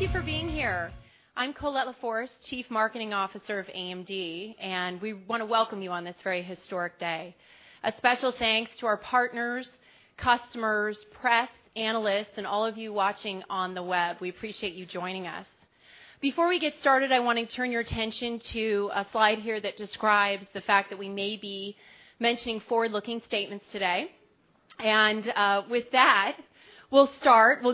Good afternoon. Thank you for being here. I'm Colette LaForce, Chief Marketing Officer of AMD, and we want to welcome you on this very historic day. A special thanks to our partners, customers, press, analysts, and all of you watching on the web. We appreciate you joining us. Before we get started, I want to turn your attention to a slide here that describes the fact that we may be mentioning forward-looking statements today. With that, we'll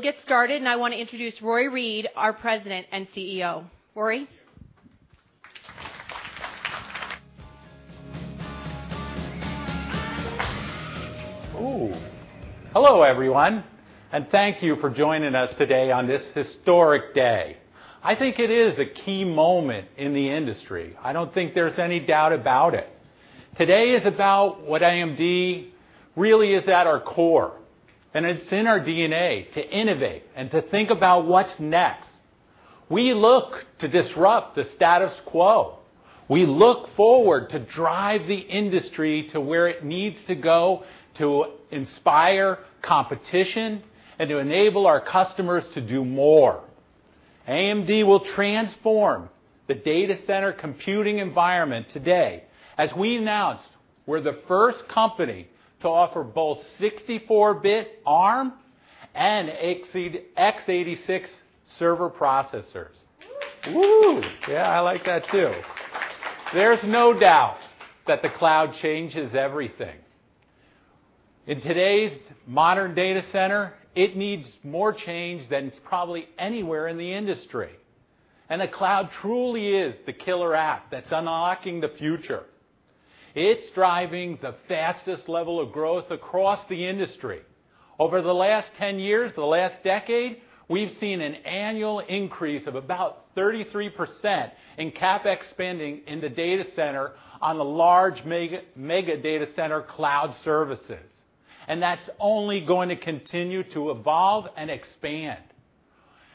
get started, and I want to introduce Rory Read, our President and CEO. Rory? Hello, everyone, and thank you for joining us today on this historic day. I think it is a key moment in the industry. I don't think there's any doubt about it. Today is about what AMD really is at our core, and it's in our DNA to innovate and to think about what's next. We look to disrupt the status quo. We look forward to drive the industry to where it needs to go to inspire competition and to enable our customers to do more. AMD will transform the data center computing environment today. As we announced, we're the first company to offer both 64-bit Arm and x86 server processors. Yeah, I like that too. There's no doubt that the cloud changes everything. In today's modern data center, it needs more change than it's probably anywhere in the industry, and the cloud truly is the killer app that's unlocking the future. It's driving the fastest level of growth across the industry. Over the last 10 years, the last decade, we've seen an annual increase of about 33% in CapEx spending in the data center on the large mega data center cloud services. That's only going to continue to evolve and expand.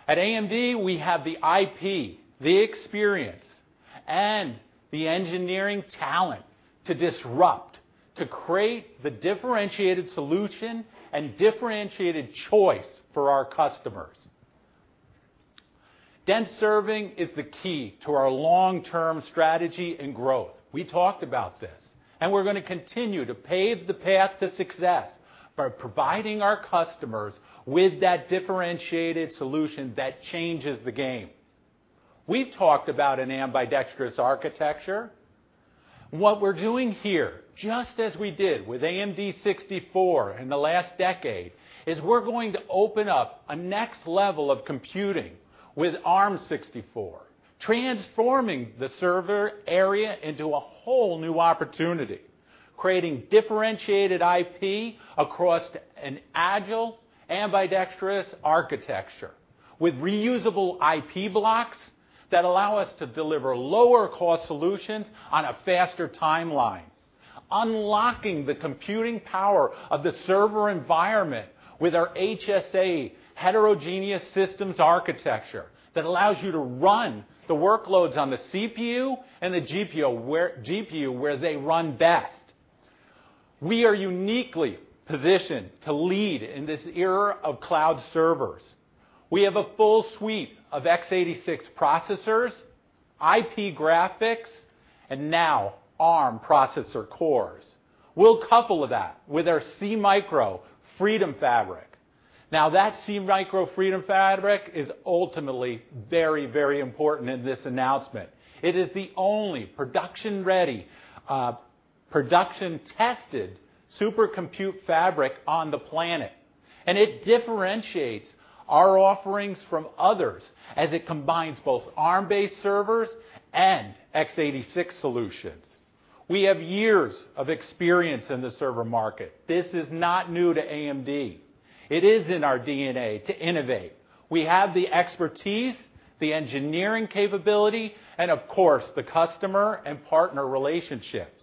At AMD, we have the IP, the experience, and the engineering talent to disrupt, to create the differentiated solution and differentiated choice for our customers. Dense serving is the key to our long-term strategy and growth. We talked about this, and we're going to continue to pave the path to success by providing our customers with that differentiated solution that changes the game. We've talked about an ambidextrous architecture. What we're doing here, just as we did with AMD 64 in the last decade, is we're going to open up a next level of computing with ARM64, transforming the server area into a whole new opportunity, creating differentiated IP across an agile, ambidextrous architecture with reusable IP blocks that allow us to deliver lower-cost solutions on a faster timeline, unlocking the computing power of the server environment with our HSA heterogeneous systems architecture that allows you to run the workloads on the CPU and the GPU where they run best. We are uniquely positioned to lead in this era of cloud servers. We have a full suite of x86 processors, IP graphics, and now Arm processor cores. We'll couple that with our SeaMicro Freedom Fabric. That SeaMicro Freedom Fabric is ultimately very, very important in this announcement. It is the only production-ready, production-tested super compute fabric on the planet, and it differentiates our offerings from others as it combines both Arm-based servers and x86 solutions. We have years of experience in the server market. This is not new to AMD. It is in our DNA to innovate. We have the expertise, the engineering capability, and of course, the customer and partner relationships.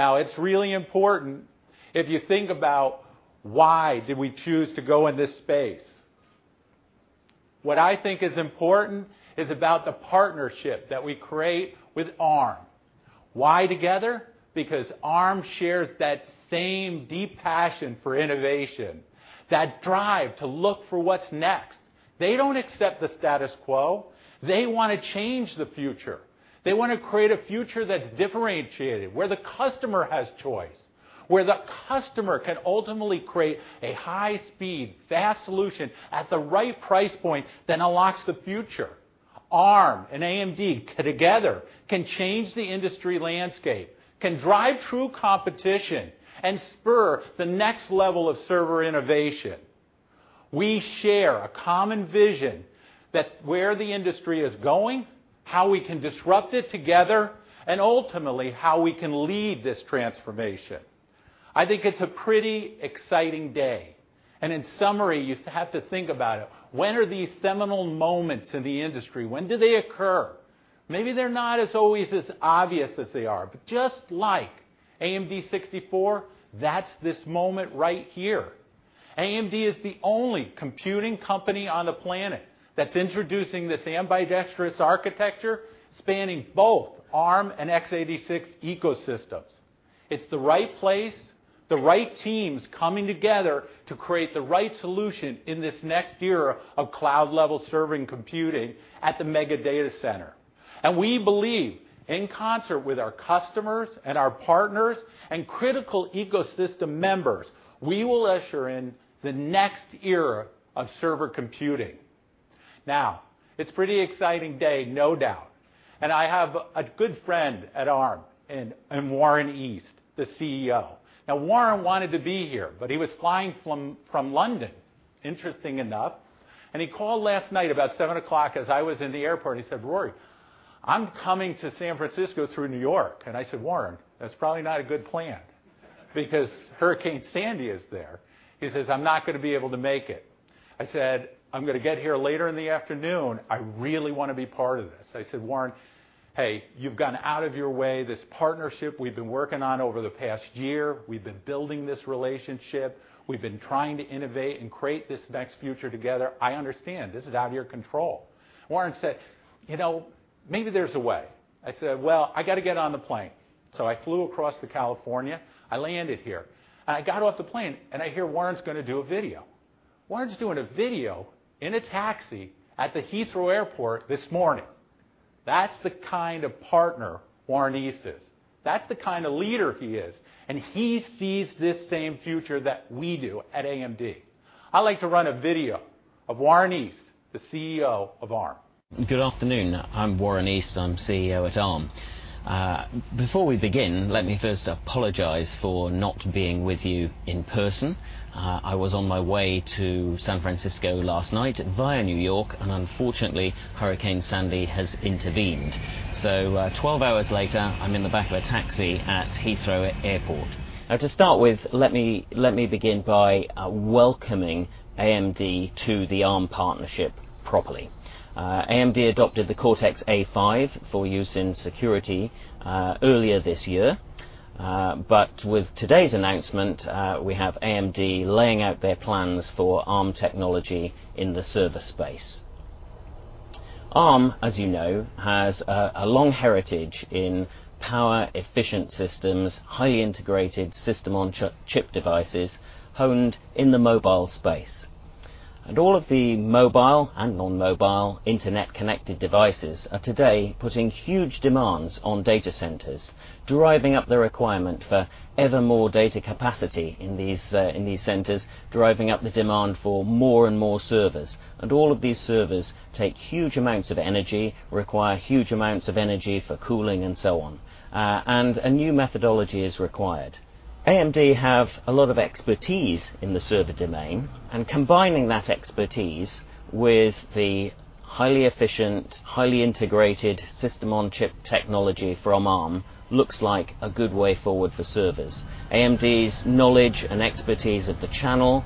It's really important if you think about why did we choose to go in this space. What I think is important is about the partnership that we create with Arm. Why together? Arm shares that same deep passion for innovation, that drive to look for what's next. They don't accept the status quo. They want to change the future. They want to create a future that's differentiated, where the customer has choice, where the customer can ultimately create a high-speed, fast solution at the right price point that unlocks the future. Arm and AMD together can change the industry landscape, can drive true competition, and spur the next level of server innovation. We share a common vision that where the industry is going, how we can disrupt it together, and ultimately, how we can lead this transformation. I think it's a pretty exciting day. In summary, you have to think about it. When are these seminal moments in the industry? When do they occur? Maybe they're not as always as obvious as they are. Just like AMD 64, that's this moment right here. AMD is the only computing company on the planet that's introducing this ambidextrous architecture spanning both Arm and x86 ecosystems. It's the right place, the right teams coming together to create the right solution in this next era of cloud-level server computing at the mega data center. We believe, in concert with our customers and our partners and critical ecosystem members, we will usher in the next era of server computing. It's pretty exciting day, no doubt. I have a good friend at Arm in Warren East, the CEO. Warren wanted to be here, but he was flying from London, interestingly enough, and he called last night about 7:00 as I was in the airport, and he said, "Rory, I'm coming to San Francisco through New York." I said, "Warren, that's probably not a good plan because Hurricane Sandy is there." He says, "I'm not going to be able to make it." I said, "I'm going to get here later in the afternoon. I really want to be part of this." I said, "Warren, hey, you've gone out of your way. This partnership we've been working on over the past year, we've been building this relationship. We've been trying to innovate and create this next future together. I understand. This is out of your control." Warren said, "Maybe there's a way." I said, "I got to get on the plane." I flew across to California. I landed here, and I got off the plane, and I hear Warren's going to do a video. Warren's doing a video in a taxi at the Heathrow Airport this morning. That's the kind of partner Warren East is. That's the kind of leader he is, and he sees this same future that we do at AMD. I'd like to run a video of Warren East, the CEO of Arm. Good afternoon. I'm Warren East. I'm CEO at Arm. Before we begin, let me first apologize for not being with you in person. I was on my way to San Francisco last night via New York. Unfortunately, Hurricane Sandy has intervened. 12 hours later, I'm in the back of a taxi at Heathrow Airport. To start with, let me begin by welcoming AMD to the Arm partnership properly. AMD adopted the Cortex-A5 for use in security earlier this year. With today's announcement, we have AMD laying out their plans for Arm technology in the server space. Arm, as you know, has a long heritage in power efficient systems, highly integrated system on chip devices honed in the mobile space. All of the mobile and non-mobile internet connected devices are today putting huge demands on data centers, driving up the requirement for ever more data capacity in these centers, driving up the demand for more and more servers. All of these servers take huge amounts of energy, require huge amounts of energy for cooling and so on. A new methodology is required. AMD have a lot of expertise in the server domain, and combining that expertise with the highly efficient, highly integrated system on chip technology from Arm looks like a good way forward for servers. AMD's knowledge and expertise of the channel,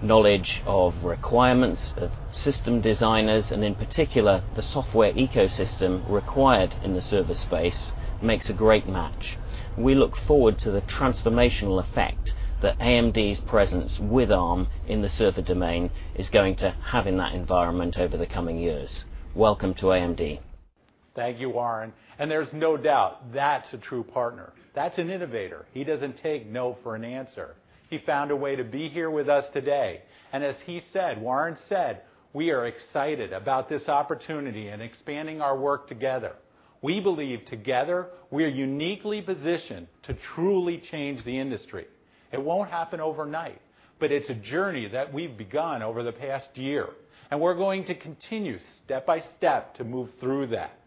knowledge of requirements of system designers, and in particular, the software ecosystem required in the server space makes a great match. We look forward to the transformational effect that AMD's presence with Arm in the server domain is going to have in that environment over the coming years. Welcome to AMD. Thank you, Warren. There's no doubt that's a true partner. That's an innovator. He doesn't take no for an answer. He found a way to be here with us today. As he said, Warren said, we are excited about this opportunity and expanding our work together. We believe together we are uniquely positioned to truly change the industry. It won't happen overnight, but it's a journey that we've begun over the past year, and we're going to continue step by step to move through that.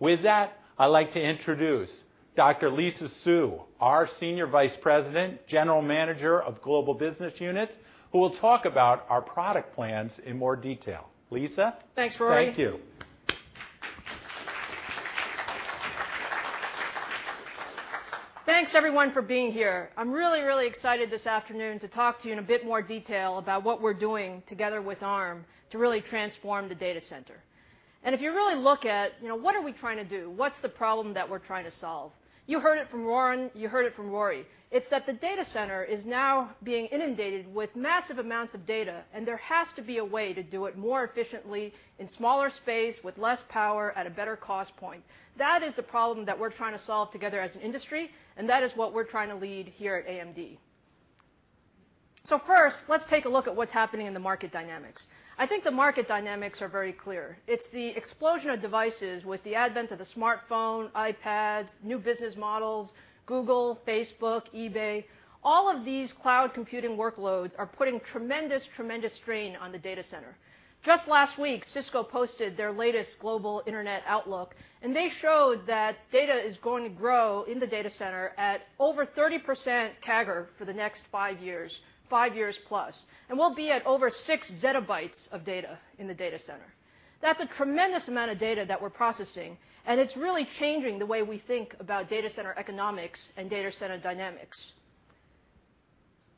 With that, I'd like to introduce Dr. Lisa Su, our senior vice president, general manager of Global Business Units, who will talk about our product plans in more detail. Lisa? Thanks, Rory. Thank you. Thanks everyone for being here. I'm really, really excited this afternoon to talk to you in a bit more detail about what we're doing together with Arm to really transform the data center. If you really look at what are we trying to do, what's the problem that we're trying to solve? You heard it from Warren, you heard it from Rory. It's that the data center is now being inundated with massive amounts of data, there has to be a way to do it more efficiently in smaller space with less power at a better cost point. That is the problem that we're trying to solve together as an industry, that is what we're trying to lead here at AMD. First, let's take a look at what's happening in the market dynamics. I think the market dynamics are very clear. It's the explosion of devices with the advent of the smartphone, iPads, new business models, Google, Facebook, eBay. All of these cloud computing workloads are putting tremendous strain on the data center. Just last week, Cisco posted their latest global internet outlook, they showed that data is going to grow in the data center at over 30% CAGR for the next five years, five years plus, we'll be at over six zettabytes of data in the data center. That's a tremendous amount of data that we're processing, it's really changing the way we think about data center economics and data center dynamics.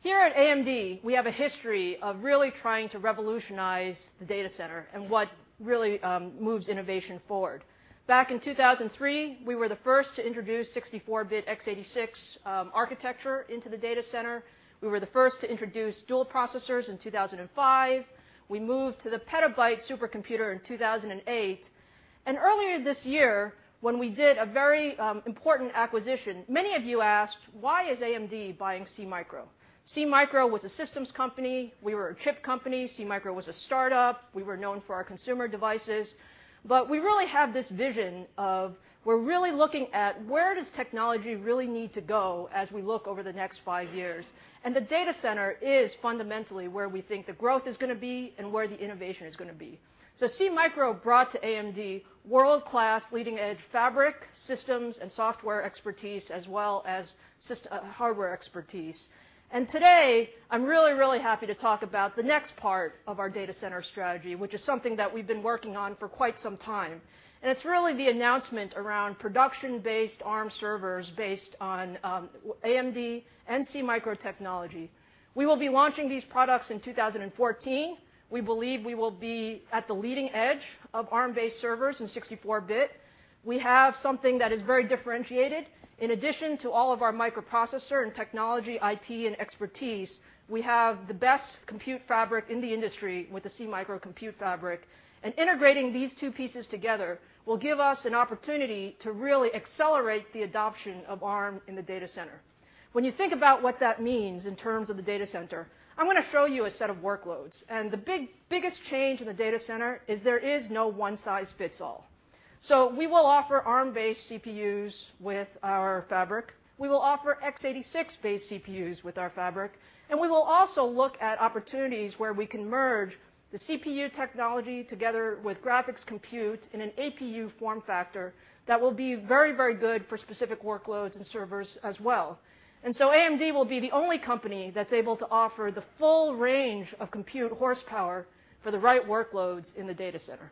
Here at AMD, we have a history of really trying to revolutionize the data center and what really moves innovation forward. Back in 2003, we were the first to introduce 64-bit x86 architecture into the data center. We were the first to introduce dual processors in 2005. We moved to the petabyte supercomputer in 2008. Earlier this year, when we did a very important acquisition, many of you asked, why is AMD buying SeaMicro? SeaMicro was a systems company. We were a chip company. SeaMicro was a startup. We were known for our consumer devices. We really have this vision of we're really looking at where does technology really need to go as we look over the next five years. The data center is fundamentally where we think the growth is going to be and where the innovation is going to be. SeaMicro brought to AMD world-class leading-edge fabric systems and software expertise, as well as hardware expertise. Today, I'm really, really happy to talk about the next part of our data center strategy, which is something that we've been working on for quite some time, and it's really the announcement around production-based Arm servers based on AMD and SeaMicro technology. We will be launching these products in 2014. We believe we will be at the leading edge of Arm-based servers in 64-bit. We have something that is very differentiated. In addition to all of our microprocessor and technology IP and expertise, we have the best compute fabric in the industry with the SeaMicro Compute Fabric, and integrating these two pieces together will give us an opportunity to really accelerate the adoption of Arm in the data center. When you think about what that means in terms of the data center, I'm going to show you a set of workloads. The biggest change in the data center is there is no one size fits all. We will offer Arm-based CPUs with our fabric, we will offer x86-based CPUs with our fabric, and we will also look at opportunities where we can merge the CPU technology together with graphics compute in an APU form factor that will be very, very good for specific workloads and servers as well. AMD will be the only company that's able to offer the full range of compute horsepower for the right workloads in the data center.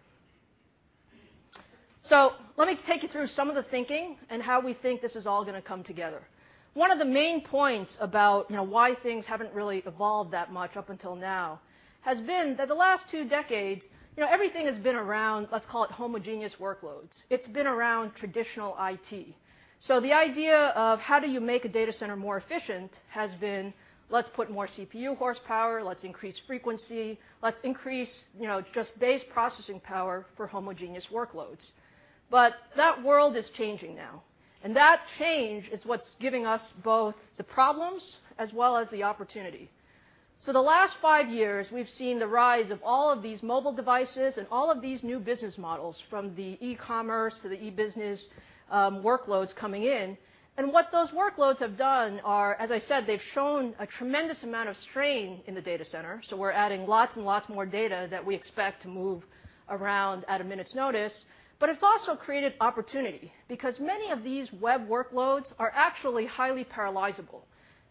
Let me take you through some of the thinking and how we think this is all going to come together. One of the main points about why things haven't really evolved that much up until now has been that the last two decades, everything has been around, let's call it homogeneous workloads. It's been around traditional IT. The idea of how do you make a data center more efficient has been, let's put more CPU horsepower, let's increase frequency, let's increase just base processing power for homogeneous workloads. That world is changing now, and that change is what's giving us both the problems as well as the opportunity. The last five years, we've seen the rise of all of these mobile devices and all of these new business models, from the e-commerce to the e-business workloads coming in. What those workloads have done are, as I said, they've shown a tremendous amount of strain in the data center. We're adding lots and lots more data that we expect to move around at a minute's notice. It's also created opportunity because many of these web workloads are actually highly parallelizable.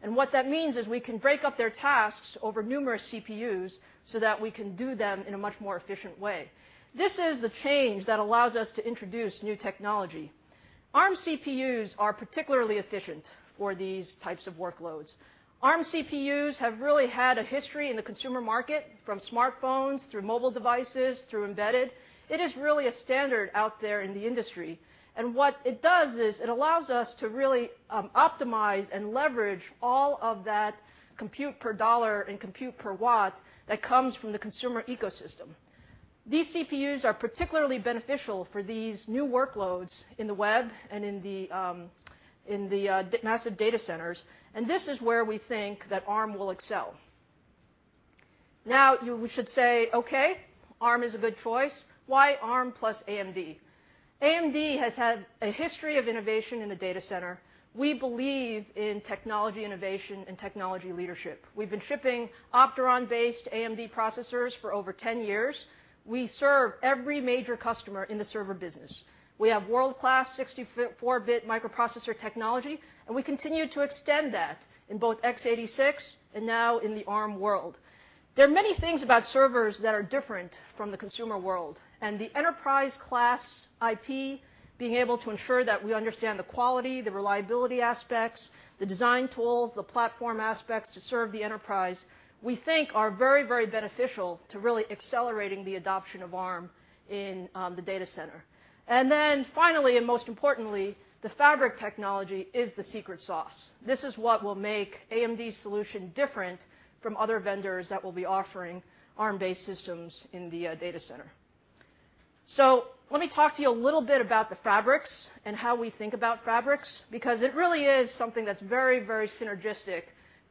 What that means is we can break up their tasks over numerous CPUs so that we can do them in a much more efficient way. This is the change that allows us to introduce new technology. Arm CPUs are particularly efficient for these types of workloads. Arm CPUs have really had a history in the consumer market, from smartphones through mobile devices through embedded. It is really a standard out there in the industry. What it does is it allows us to really optimize and leverage all of that compute per dollar and compute per watt that comes from the consumer ecosystem. These CPUs are particularly beneficial for these new workloads in the web and in the massive data centers. This is where we think that Arm will excel. Now, you should say, okay, Arm is a good choice. Why Arm plus AMD? AMD has had a history of innovation in the data center. We believe in technology innovation and technology leadership. We've been shipping Opteron-based AMD processors for over 10 years. We serve every major customer in the server business. We have world-class 64-bit microprocessor technology, and we continue to extend that in both x86 and now in the Arm world. There are many things about servers that are different from the consumer world and the enterprise-class IP. Being able to ensure that we understand the quality, the reliability aspects, the design tools, the platform aspects to serve the enterprise, we think are very, very beneficial to really accelerating the adoption of Arm in the data center. Then finally, and most importantly, the fabric technology is the secret sauce. This is what will make AMD's solution different from other vendors that will be offering Arm-based systems in the data center. Let me talk to you a little bit about the fabrics and how we think about fabrics, because it really is something that's very, very synergistic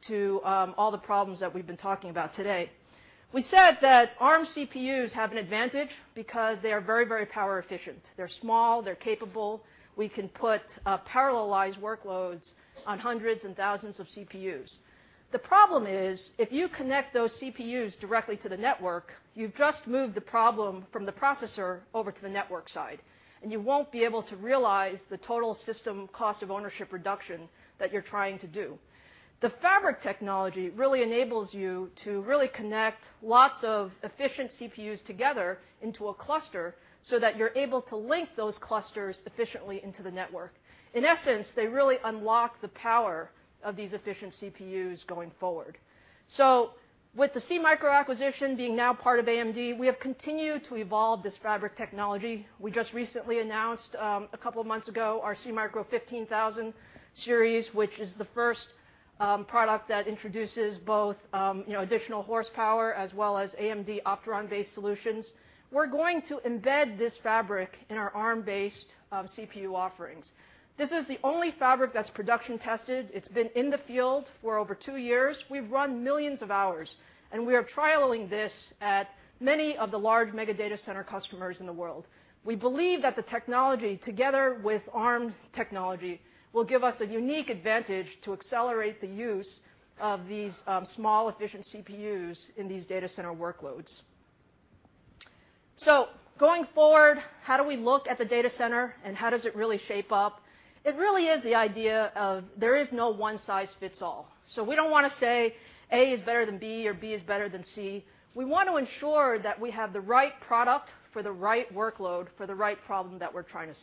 to all the problems that we've been talking about today. We said that Arm CPUs have an advantage because they are very, very power efficient. They're small, they're capable. We can put parallelized workloads on hundreds and thousands of CPUs. The problem is, if you connect those CPUs directly to the network, you've just moved the problem from the processor over to the network side, you won't be able to realize the total system cost of ownership reduction that you're trying to do. The fabric technology really enables you to really connect lots of efficient CPUs together into a cluster so that you're able to link those clusters efficiently into the network. In essence, they really unlock the power of these efficient CPUs going forward. With the SeaMicro acquisition being now part of AMD, we have continued to evolve this fabric technology. We just recently announced, a couple of months ago, our SeaMicro 15000 series, which is the first product that introduces both additional horsepower as well as AMD Opteron-based solutions. We're going to embed this fabric in our Arm-based CPU offerings. This is the only fabric that's production tested. It's been in the field for over two years. We've run millions of hours, we are trialing this at many of the large mega data center customers in the world. We believe that the technology, together with Arm technology, will give us a unique advantage to accelerate the use of these small, efficient CPUs in these data center workloads. Going forward, how do we look at the data center, and how does it really shape up? It really is the idea of there is no one size fits all. We don't want to say A is better than B or B is better than C. We want to ensure that we have the right product for the right workload for the right problem that we're trying to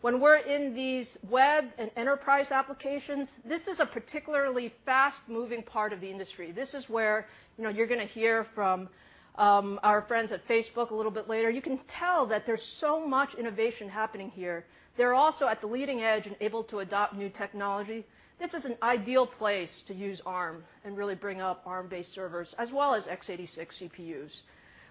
solve. When we're in these web and enterprise applications, this is a particularly fast-moving part of the industry. This is where you're going to hear from our friends at Facebook a little bit later. You can tell that there's so much innovation happening here. They're also at the leading edge and able to adopt new technology. This is an ideal place to use Arm and really bring up Arm-based servers as well as x86 CPUs.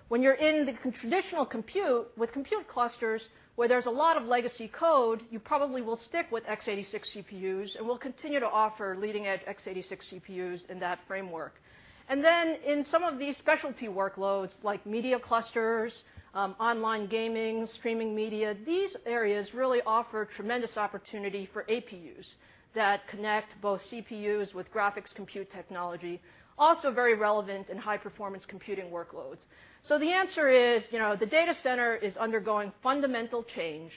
When you're in the traditional compute with compute clusters where there's a lot of legacy code, you probably will stick with x86 CPUs, and we'll continue to offer leading-edge x86 CPUs in that framework. In some of these specialty workloads like media clusters, online gaming, streaming media, these areas really offer tremendous opportunity for APUs that connect both CPUs with graphics compute technology. Also very relevant in high-performance computing workloads. The answer is, the data center is undergoing fundamental change.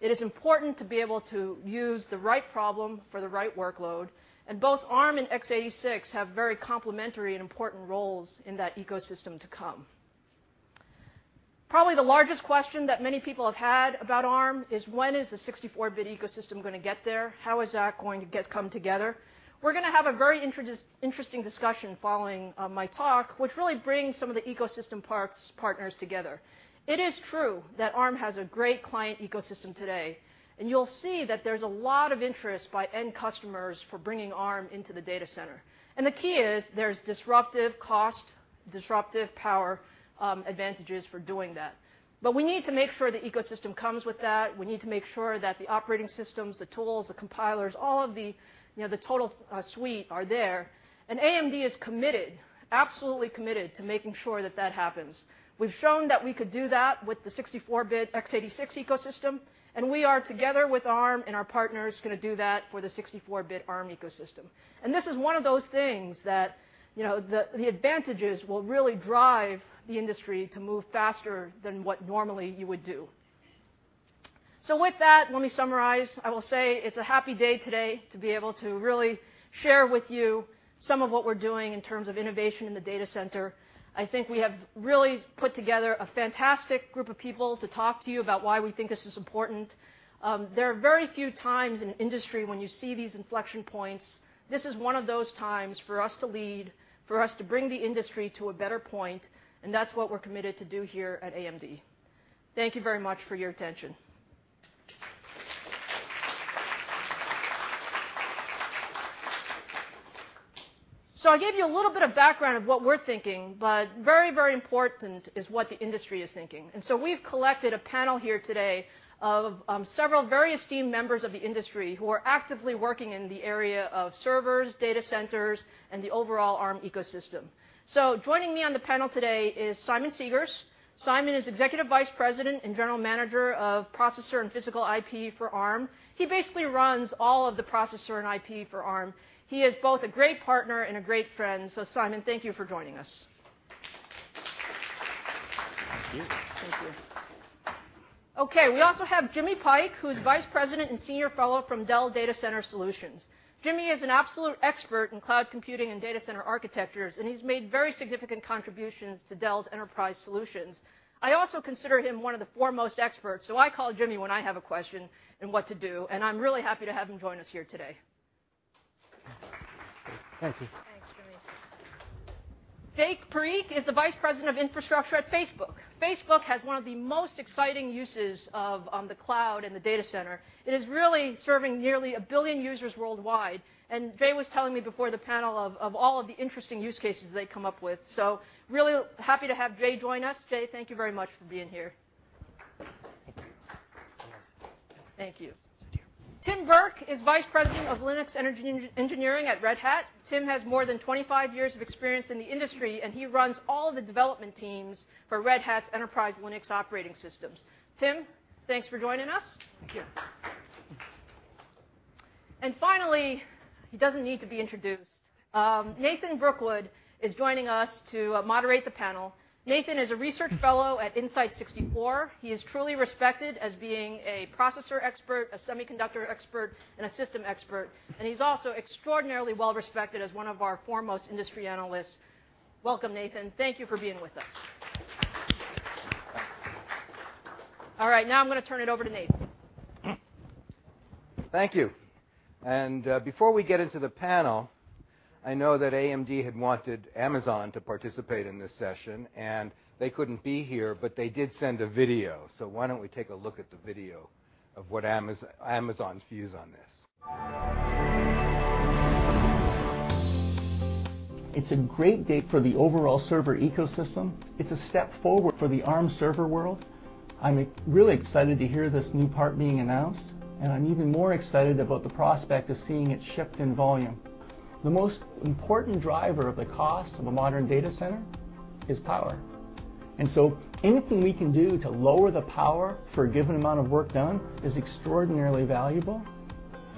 It is important to be able to use the right problem for the right workload, and both Arm and x86 have very complementary and important roles in that ecosystem to come. Probably the largest question that many people have had about Arm is when is the 64-bit ecosystem going to get there? How is that going to come together? We're going to have a very interesting discussion following my talk, which really brings some of the ecosystem partners together. It is true that Arm has a great client ecosystem today, and you'll see that there's a lot of interest by end customers for bringing Arm into the data center. The key is there's disruptive cost, disruptive power advantages for doing that. We need to make sure the ecosystem comes with that. We need to make sure that the operating systems, the tools, the compilers, all of the total suite are there. AMD is committed, absolutely committed, to making sure that that happens. We've shown that we could do that with the 64-bit x86 ecosystem, and we are, together with Arm and our partners, going to do that for the 64-bit Arm ecosystem. This is one of those things that the advantages will really drive the industry to move faster than what normally you would do. With that, let me summarize. I will say it's a happy day today to be able to really share with you some of what we're doing in terms of innovation in the data center. I think we have really put together a fantastic group of people to talk to you about why we think this is important. There are very few times in industry when you see these inflection points. This is one of those times for us to lead, for us to bring the industry to a better point, and that's what we're committed to do here at AMD. Thank you very much for your attention. I gave you a little bit of background of what we're thinking, but very important is what the industry is thinking. We've collected a panel here today of several very esteemed members of the industry who are actively working in the area of servers, data centers, and the overall Arm ecosystem. Joining me on the panel today is Simon Segars. Simon is Executive Vice President and General Manager of Processor and Physical IP for Arm. He basically runs all of the processor and IP for Arm. He is both a great partner and a great friend. Simon, thank you for joining us. Thank you. Thank you. We also have Jimmy Pike, who's Vice President and Senior Fellow from Dell Data Center Solutions. Jimmy is an absolute expert in cloud computing and data center architectures, and he's made very significant contributions to Dell's enterprise solutions. I also consider him one of the foremost experts, I call Jimmy when I have a question in what to do, and I'm really happy to have him join us here today. Thank you. Thanks, Jimmy. Jay Parikh is the Vice President of Infrastructure at Facebook. Facebook has one of the most exciting uses of the cloud and the data center. It is really serving nearly a billion users worldwide, and Jay was telling me before the panel of all of the interesting use cases they come up with. Really happy to have Jay join us. Jay, thank you very much for being here. Thank you. Thank you. Tim Burke is Vice President of Linux Engineering at Red Hat. Tim has more than 25 years of experience in the industry, and he runs all the development teams for Red Hat's enterprise Linux operating systems. Tim, thanks for joining us. Thank you. Finally, he doesn't need to be introduced. Nathan Brookwood is joining us to moderate the panel. Nathan is a research fellow at Insight64. He is truly respected as being a processor expert, a semiconductor expert, and a system expert, and he's also extraordinarily well respected as one of our foremost industry analysts. Welcome, Nathan. Thank you for being with us. I'm going to turn it over to Nathan. Thank you. Before we get into the panel, I know that AMD had wanted Amazon to participate in this session, they couldn't be here, but they did send a video. Why don't we take a look at the video of what Amazon's views on this. It's a great day for the overall server ecosystem. It's a step forward for the Arm server world. I'm really excited to hear this new part being announced, and I'm even more excited about the prospect of seeing it shipped in volume. The most important driver of the cost of a modern data center is power. Anything we can do to lower the power for a given amount of work done is extraordinarily valuable.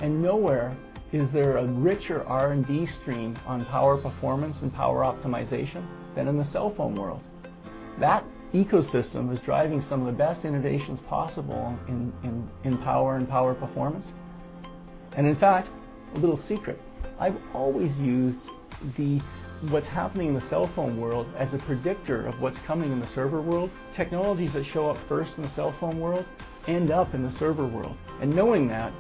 Nowhere is there a richer R&D stream on power performance and power optimization than in the cell phone world. That ecosystem is driving some of the best innovations possible in power and power performance. In fact, a little secret, I've always used what's happening in the cell phone world as a predictor of what's coming in the server world. Technologies that show up first in the cell phone world end up in the server world. Knowing that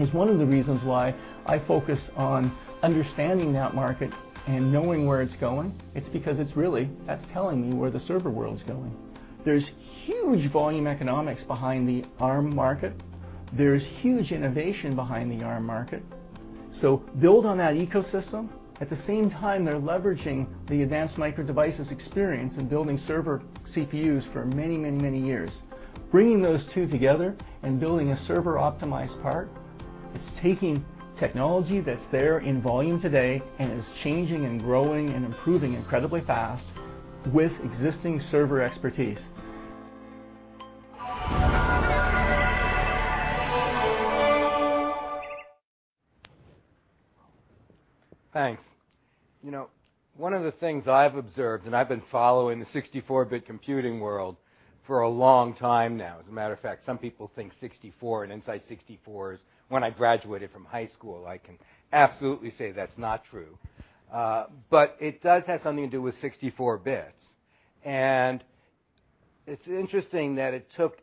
is one of the reasons why I focus on understanding that market and knowing where it's going. It's because that's telling me where the server world's going. There's huge volume economics behind the Arm market. There's huge innovation behind the Arm market. Build on that ecosystem. At the same time, they're leveraging the Advanced Micro Devices experience in building server CPUs for many years. Bringing those two together and building a server-optimized part is taking technology that's there in volume today and is changing and growing and improving incredibly fast with existing server expertise. Thanks. One of the things I've observed, I've been following the 64-bit computing world for a long time now. As a matter of fact, some people think 64 and Insight64 is when I graduated from high school. I can absolutely say that's not true. It does have something to do with 64 bits. It's interesting that it took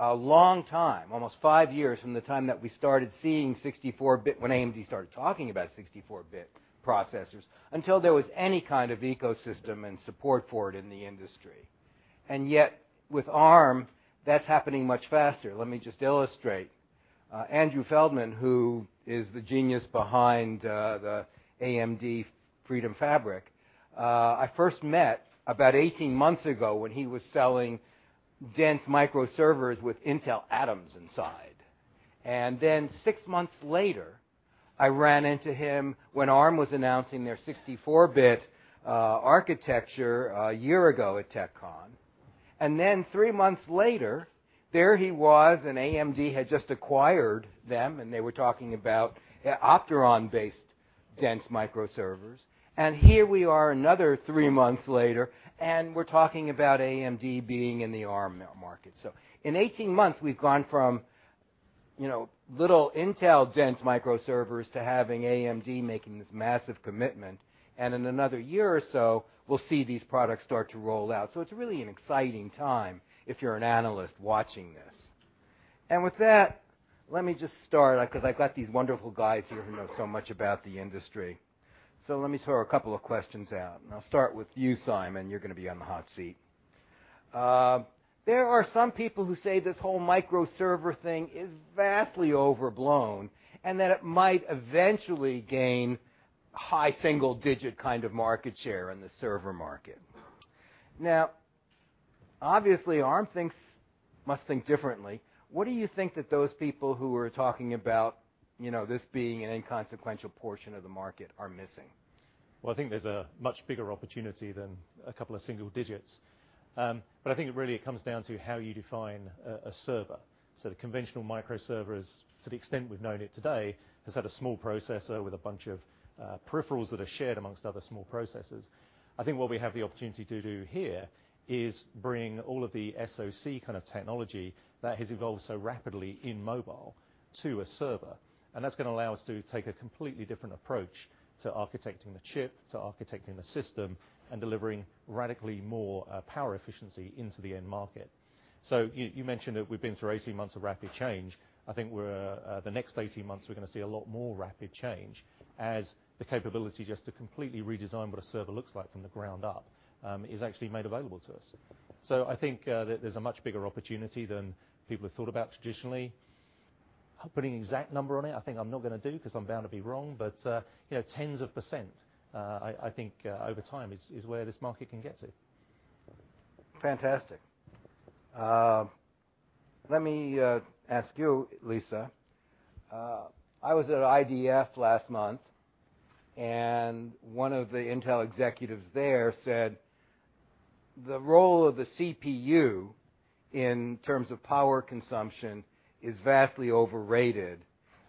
a long time, almost 5 years from the time that we started seeing 64-bit, when AMD started talking about 64-bit processors, until there was any kind of ecosystem and support for it in the industry. Yet, with Arm, that's happening much faster. Let me just illustrate. Andrew Feldman, who is the genius behind the AMD Freedom Fabric, I first met about 18 months ago when he was selling dense microservers with Intel Atom inside. Six months later, I ran into him when Arm was announcing their 64-bit architecture a year ago at Arm TechCon. Three months later, there he was, AMD had just acquired them, and they were talking about Opteron-based dense microservers. Here we are another 3 months later, and we're talking about AMD being in the Arm market. In 18 months, we've gone from little Intel dense microservers to having AMD making this massive commitment. In another year or so, we'll see these products start to roll out. It's really an exciting time if you're an analyst watching this. With that, let me just start, because I've got these wonderful guys here who know so much about the industry. Let me throw a couple of questions out, and I'll start with you, Simon. You're going to be on the hot seat. There are some people who say this whole microserver thing is vastly overblown, and that it might eventually gain high single-digit kind of market share in the server market. Obviously, Arm must think differently. What do you think that those people who are talking about this being an inconsequential portion of the market are missing? Well, I think there's a much bigger opportunity than a couple of single digits. I think it really comes down to how you define a server. The conventional microserver is, to the extent we've known it today, has had a small processor with a bunch of peripherals that are shared amongst other small processors. I think what we have the opportunity to do here is bring all of the SoC kind of technology that has evolved so rapidly in mobile to a server, and that's going to allow us to take a completely different approach to architecting the chip, to architecting the system, and delivering radically more power efficiency into the end market. You mentioned that we've been through 18 months of rapid change. I think the next 18 months, we're going to see a lot more rapid change as the capability just to completely redesign what a server looks like from the ground up is actually made available to us. I think that there's a much bigger opportunity than people have thought about traditionally. Putting an exact number on it, I think I'm not going to do because I'm bound to be wrong, but tens of percent, I think over time is where this market can get to. Fantastic. Let me ask you, Lisa. I was at IDF last month, and one of the Intel executives there said the role of the CPU in terms of power consumption is vastly overrated,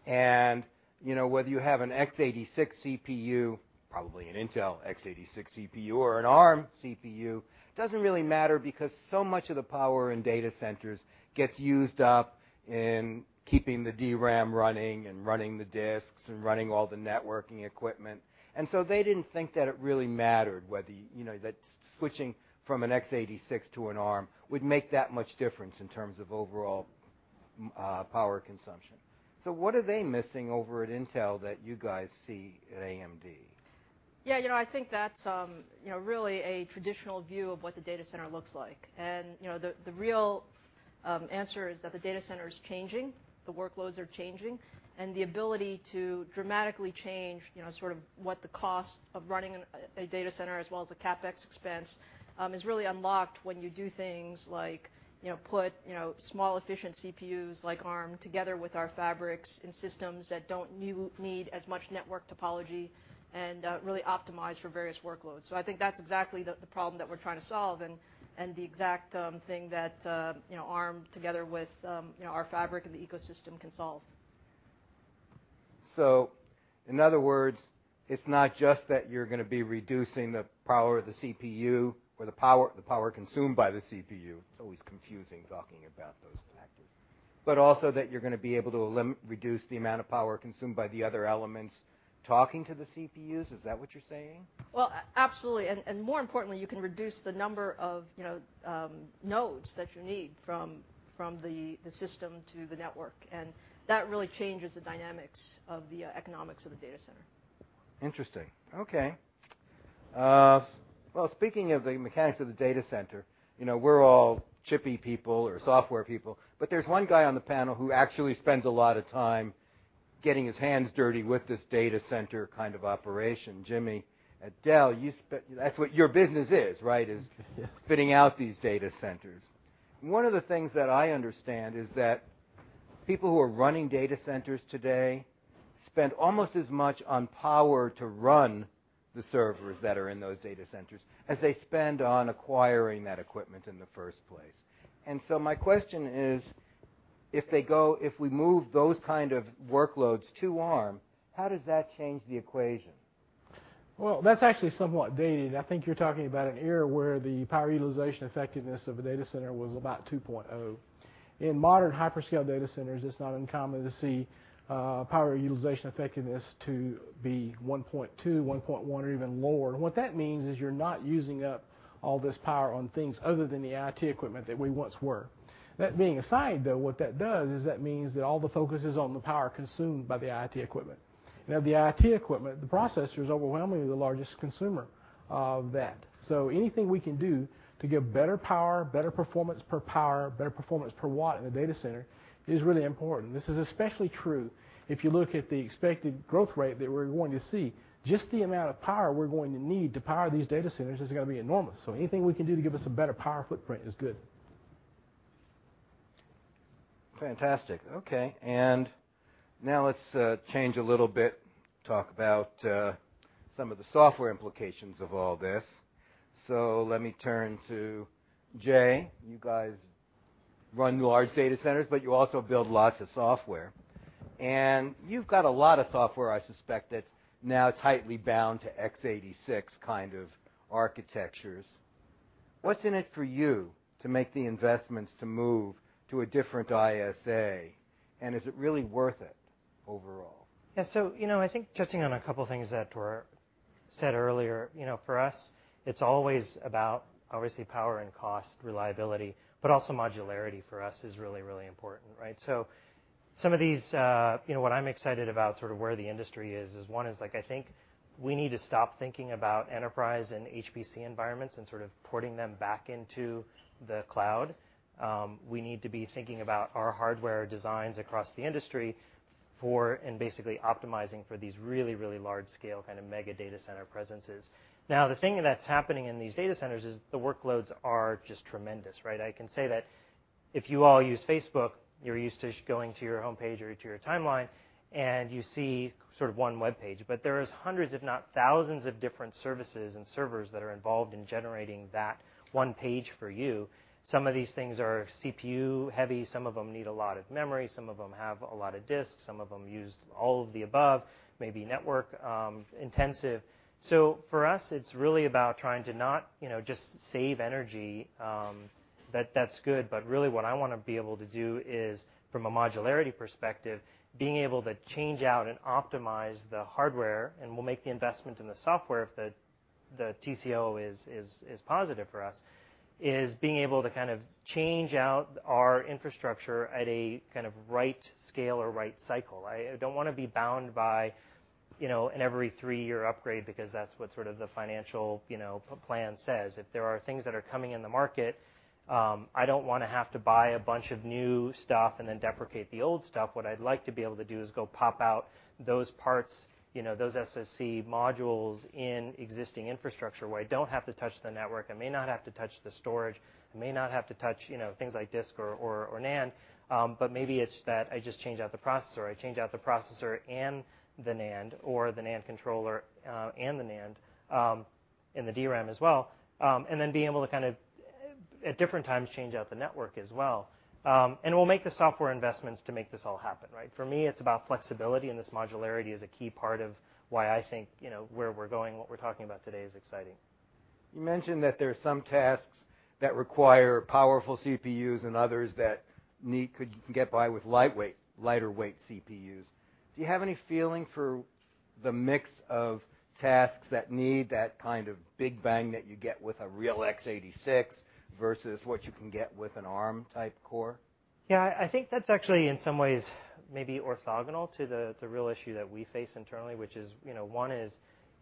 and whether you have an x86 CPU, probably an Intel x86 CPU, or an Arm CPU, doesn't really matter because so much of the power in data centers gets used up- In keeping the DRAM running and running the disks and running all the networking equipment. They didn't think that it really mattered whether switching from an x86 to an Arm would make that much difference in terms of overall power consumption. What are they missing over at Intel that you guys see at AMD? Yeah, I think that's really a traditional view of what the data center looks like. The real answer is that the data center is changing, the workloads are changing, and the ability to dramatically change what the cost of running a data center as well as the CapEx expense is really unlocked when you do things like put small efficient CPUs like Arm together with our fabrics and systems that don't need as much network topology and really optimize for various workloads. I think that's exactly the problem that we're trying to solve and the exact thing that Arm together with our fabric and the ecosystem can solve. In other words, it's not just that you're going to be reducing the power of the CPU or the power consumed by the CPU, it's always confusing talking about those factors, but also that you're going to be able to reduce the amount of power consumed by the other elements talking to the CPUs. Is that what you're saying? Well, absolutely. More importantly, you can reduce the number of nodes that you need from the system to the network. That really changes the dynamics of the economics of the data center. Interesting. Okay. Well, speaking of the mechanics of the data center, we're all chippy people or software people, there's one guy on the panel who actually spends a lot of time getting his hands dirty with this data center kind of operation. Jimmy, at Dell, that's what your business is, right? Yes. Is fitting out these data centers. One of the things that I understand is that people who are running data centers today spend almost as much on power to run the servers that are in those data centers as they spend on acquiring that equipment in the first place. My question is, if we move those kind of workloads to Arm, how does that change the equation? Well, that's actually somewhat dated. I think you're talking about an era where the power utilization effectiveness of a data center was about 2.0. In modern hyperscale data centers, it's not uncommon to see power utilization effectiveness to be 1.2, 1.1, or even lower. What that means is you're not using up all this power on things other than the IT equipment that we once were. That being aside, though, what that does is that means that all the focus is on the power consumed by the IT equipment. Of the IT equipment, the processor is overwhelmingly the largest consumer of that. Anything we can do to give better power, better performance per power, better performance per watt in a data center is really important. This is especially true if you look at the expected growth rate that we're going to see. Just the amount of power we're going to need to power these data centers is going to be enormous, so anything we can do to give us a better power footprint is good. Fantastic. Okay. Now let's change a little bit, talk about some of the software implications of all this. Let me turn to Jay. You guys run large data centers, but you also build lots of software. You've got a lot of software, I suspect, that's now tightly bound to x86 kind of architectures. What's in it for you to make the investments to move to a different ISA, and is it really worth it overall? Yeah. I think touching on a couple things that were said earlier, for us, it's always about, obviously, power and cost reliability, but also modularity for us is really, really important, right? What I'm excited about, where the industry is one is I think we need to stop thinking about enterprise and HPC environments and sort of porting them back into the cloud. We need to be thinking about our hardware designs across the industry, and basically optimizing for these really, really large-scale kind of mega data center presences. Now, the thing that's happening in these data centers is the workloads are just tremendous, right? I can say that if you all use Facebook, you're used to going to your homepage or to your timeline, and you see one webpage. There is hundreds, if not thousands, of different services and servers that are involved in generating that one page for you. Some of these things are CPU-heavy, some of them need a lot of memory, some of them have a lot of disks, some of them use all of the above, maybe network-intensive. For us, it's really about trying to not just save energy, that's good, but really what I want to be able to do is, from a modularity perspective, being able to change out and optimize the hardware, and we'll make the investment in the software if the TCO is positive for us, is being able to change out our infrastructure at a right scale or right cycle. I don't want to be bound by an every three-year upgrade because that's what the financial plan says. If there are things that are coming in the market, I don't want to have to buy a bunch of new stuff and then deprecate the old stuff. What I'd like to be able to do is go pop out those parts, those SoC modules in existing infrastructure where I don't have to touch the network, I may not have to touch the storage, I may not have to touch things like disk or NAND. Maybe it's that I just change out the processor. I change out the processor and the NAND or the NAND controller, and the NAND, and the DRAM as well. Being able to at different times change out the network as well. We'll make the software investments to make this all happen, right? For me, it's about flexibility, and this modularity is a key part of why I think where we're going, what we're talking about today is exciting. You mentioned that there are some tasks that require powerful CPUs and others that could get by with lighter-weight CPUs. Do you have any feeling for the mix of tasks that need that kind of big bang that you get with a real x86 versus what you can get with an ARM-type core? Yeah. I think that's actually, in some ways, maybe orthogonal to the real issue that we face internally, which is, one is,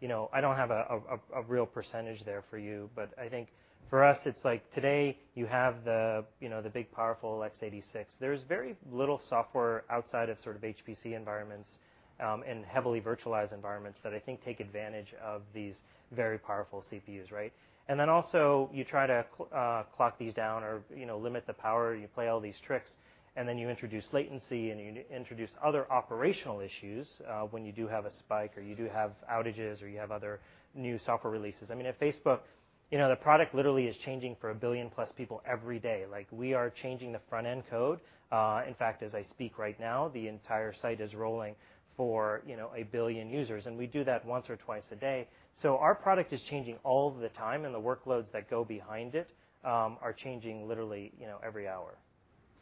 I don't have a real percentage there for you, but I think for us it's like today you have the big, powerful x86. There's very little software outside of sort of HPC environments, and heavily virtualized environments that I think take advantage of these very powerful CPUs, right? Also you try to clock these down or limit the power, you play all these tricks, and then you introduce latency, and you introduce other operational issues, when you do have a spike, or you do have outages, or you have other new software releases. I mean, at Facebook, the product literally is changing for 1 billion plus people every day. We are changing the front-end code. In fact, as I speak right now, the entire site is rolling for 1 billion users, and we do that once or twice a day. Our product is changing all the time, and the workloads that go behind it are changing literally every hour.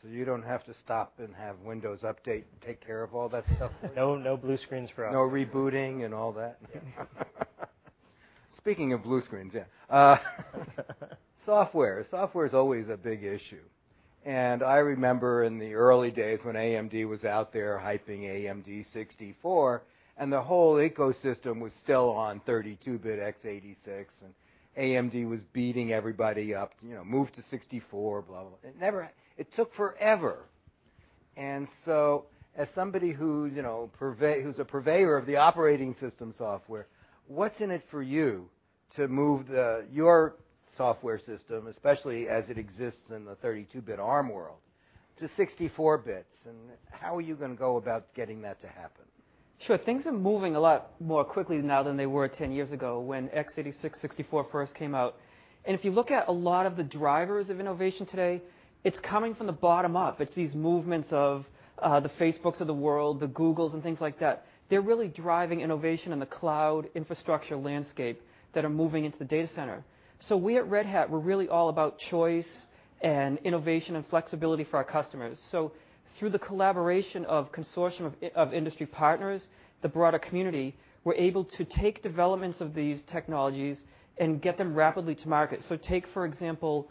You don't have to stop and have Windows Update take care of all that stuff for you? No blue screens for us. No rebooting and all that? Yeah. Speaking of blue screens, yeah. Software. Software's always a big issue. I remember in the early days when AMD was out there hyping AMD 64, and the whole ecosystem was still on 32-bit x86, and AMD was beating everybody up, "Move to 64," blah. It took forever. As somebody who's a purveyor of the operating system software, what's in it for you to move your software system, especially as it exists in the 32-bit ARM world, to 64 bits, and how are you going to go about getting that to happen? Sure. Things are moving a lot more quickly now than they were 10 years ago when x86-64 first came out. If you look at a lot of the drivers of innovation today, it's coming from the bottom up. It's these movements of the Facebooks of the world, the Googles, and things like that. They're really driving innovation in the cloud infrastructure landscape that are moving into the data center. We at Red Hat, we're really all about choice and innovation and flexibility for our customers. Through the collaboration of consortium of industry partners, the broader community, we're able to take developments of these technologies and get them rapidly to market. Take, for example,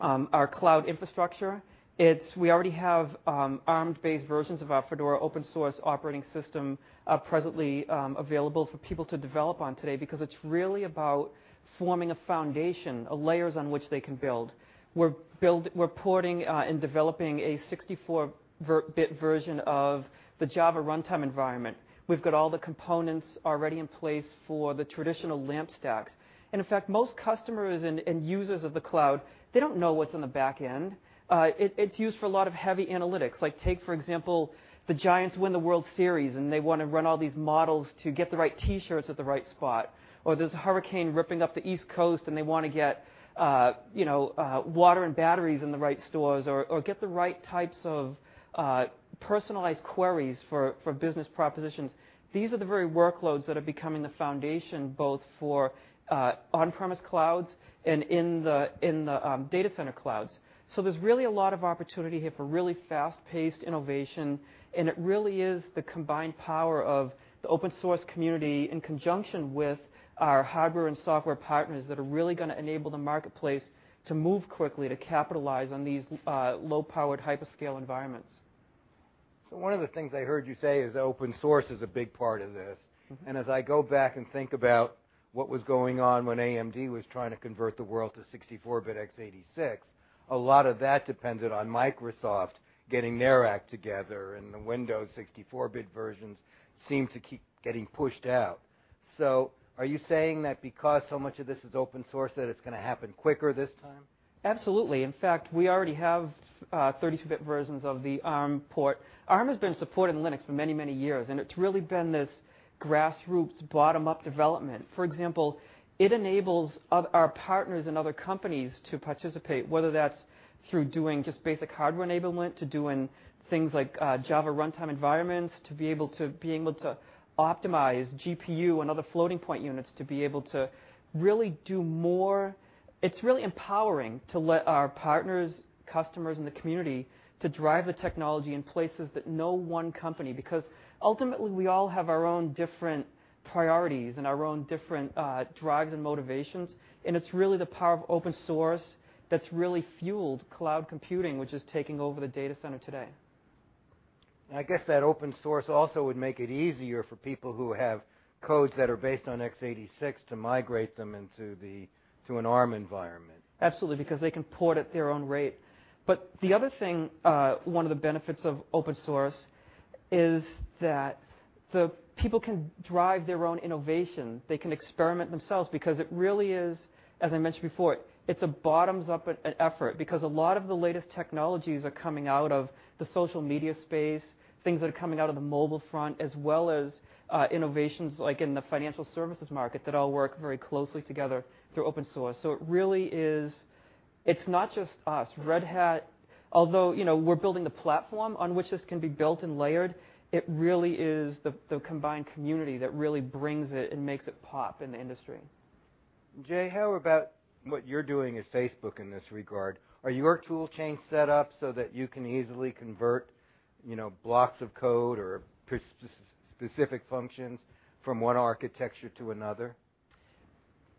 our cloud infrastructure. We already have ARM-based versions of our Fedora open source operating system, presently available for people to develop on today because it's really about forming a foundation of layers on which they can build. We're porting and developing a 64-bit version of the Java runtime environment. We've got all the components already in place for the traditional LAMP stacks. In fact, most customers and users of the cloud, they don't know what's on the back end. It's used for a lot of heavy analytics. Like take, for example, the Giants win the World Series, and they want to run all these models to get the right T-shirts at the right spot. Or there's a hurricane ripping up the East Coast, and they want to get water and batteries in the right stores, or get the right types of personalized queries for business propositions. These are the very workloads that are becoming the foundation both for on-premise clouds and in the data center clouds. There's really a lot of opportunity here for really fast-paced innovation, and it really is the combined power of the open source community in conjunction with our hardware and software partners that are really going to enable the marketplace to move quickly to capitalize on these low-powered hyperscale environments. One of the things I heard you say is open source is a big part of this. As I go back and think about what was going on when AMD was trying to convert the world to 64-bit x86, a lot of that depended on Microsoft getting their act together, and the Windows 64-bit versions seemed to keep getting pushed out. Are you saying that because so much of this is open source, that it's going to happen quicker this time? Absolutely. In fact, we already have 32-bit versions of the ARM port. ARM has been supporting Linux for many, many years, and it's really been this grassroots, bottom-up development. For example, it enables our partners in other companies to participate, whether that's through doing just basic hardware enablement, to doing things like Java runtime environments, to being able to optimize GPU and other floating-point units, to be able to really do more. It's really empowering to let our partners, customers, and the community to drive the technology in places that no one company, because ultimately, we all have our own different priorities and our own different drives and motivations, and it's really the power of open source that's really fueled cloud computing, which is taking over the data center today. I guess that open source also would make it easier for people who have codes that are based on x86 to migrate them into an ARM environment. Absolutely, because they can port at their own rate. The other thing, one of the benefits of open source is that the people can drive their own innovation. They can experiment themselves because it really is, as I mentioned before, it's a bottoms-up effort because a lot of the latest technologies are coming out of the social media space, things that are coming out of the mobile front, as well as innovations like in the financial services market that all work very closely together through open source. It's not just us. Red Hat, although we're building the platform on which this can be built and layered, it really is the combined community that really brings it and makes it pop in the industry. Jay, how about what you're doing at Facebook in this regard? Are your toolchain set up so that you can easily convert blocks of code or specific functions from one architecture to another?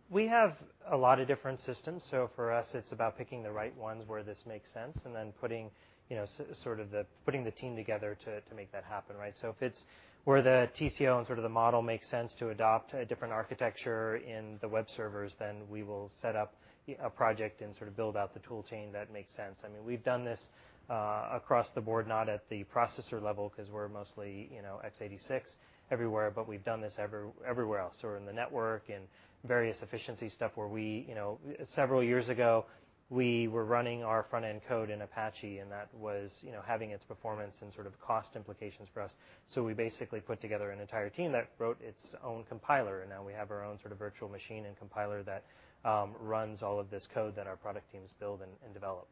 We have a lot of different systems, for us, it's about picking the right ones where this makes sense, and then putting the team together to make that happen, right? If it's where the TCO and the model makes sense to adopt a different architecture in the web servers, then we will set up a project and build out the toolchain that makes sense. We've done this across the board, not at the processor level because we're mostly x86 everywhere, we've done this everywhere else. In the network and various efficiency stuff where several years ago, we were running our front-end code in Apache, and that was having its performance and cost implications for us. We basically put together an entire team that wrote its own compiler, and now we have our own virtual machine and compiler that runs all of this code that our product teams build and develop.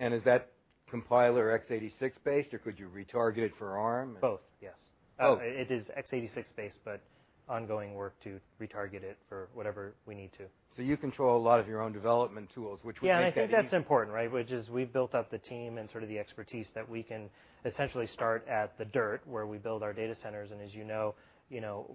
Is that compiler x86-based, or could you retarget it for Arm? Both, yes. Oh. It is x86-based, ongoing work to retarget it for whatever we need to. You control a lot of your own development tools, which would make that easy. I think that's important, right? We've built up the team and the expertise that we can essentially start at the dirt, where we build our data centers. As you know,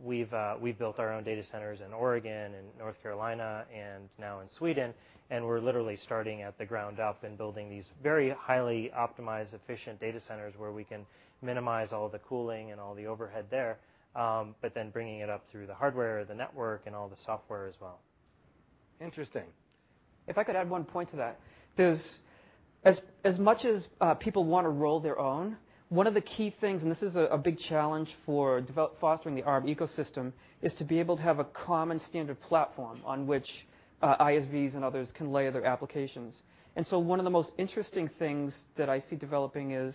we've built our own data centers in Oregon and North Carolina and now in Sweden, we're literally starting at the ground up and building these very highly optimized, efficient data centers where we can minimize all the cooling and all the overhead there. Bringing it up through the hardware, the network, and all the software as well. Interesting. If I could add one point to that. As much as people want to roll their own, one of the key things, and this is a big challenge for fostering the Arm ecosystem, is to be able to have a common standard platform on which ISVs and others can layer their applications. One of the most interesting things that I see developing is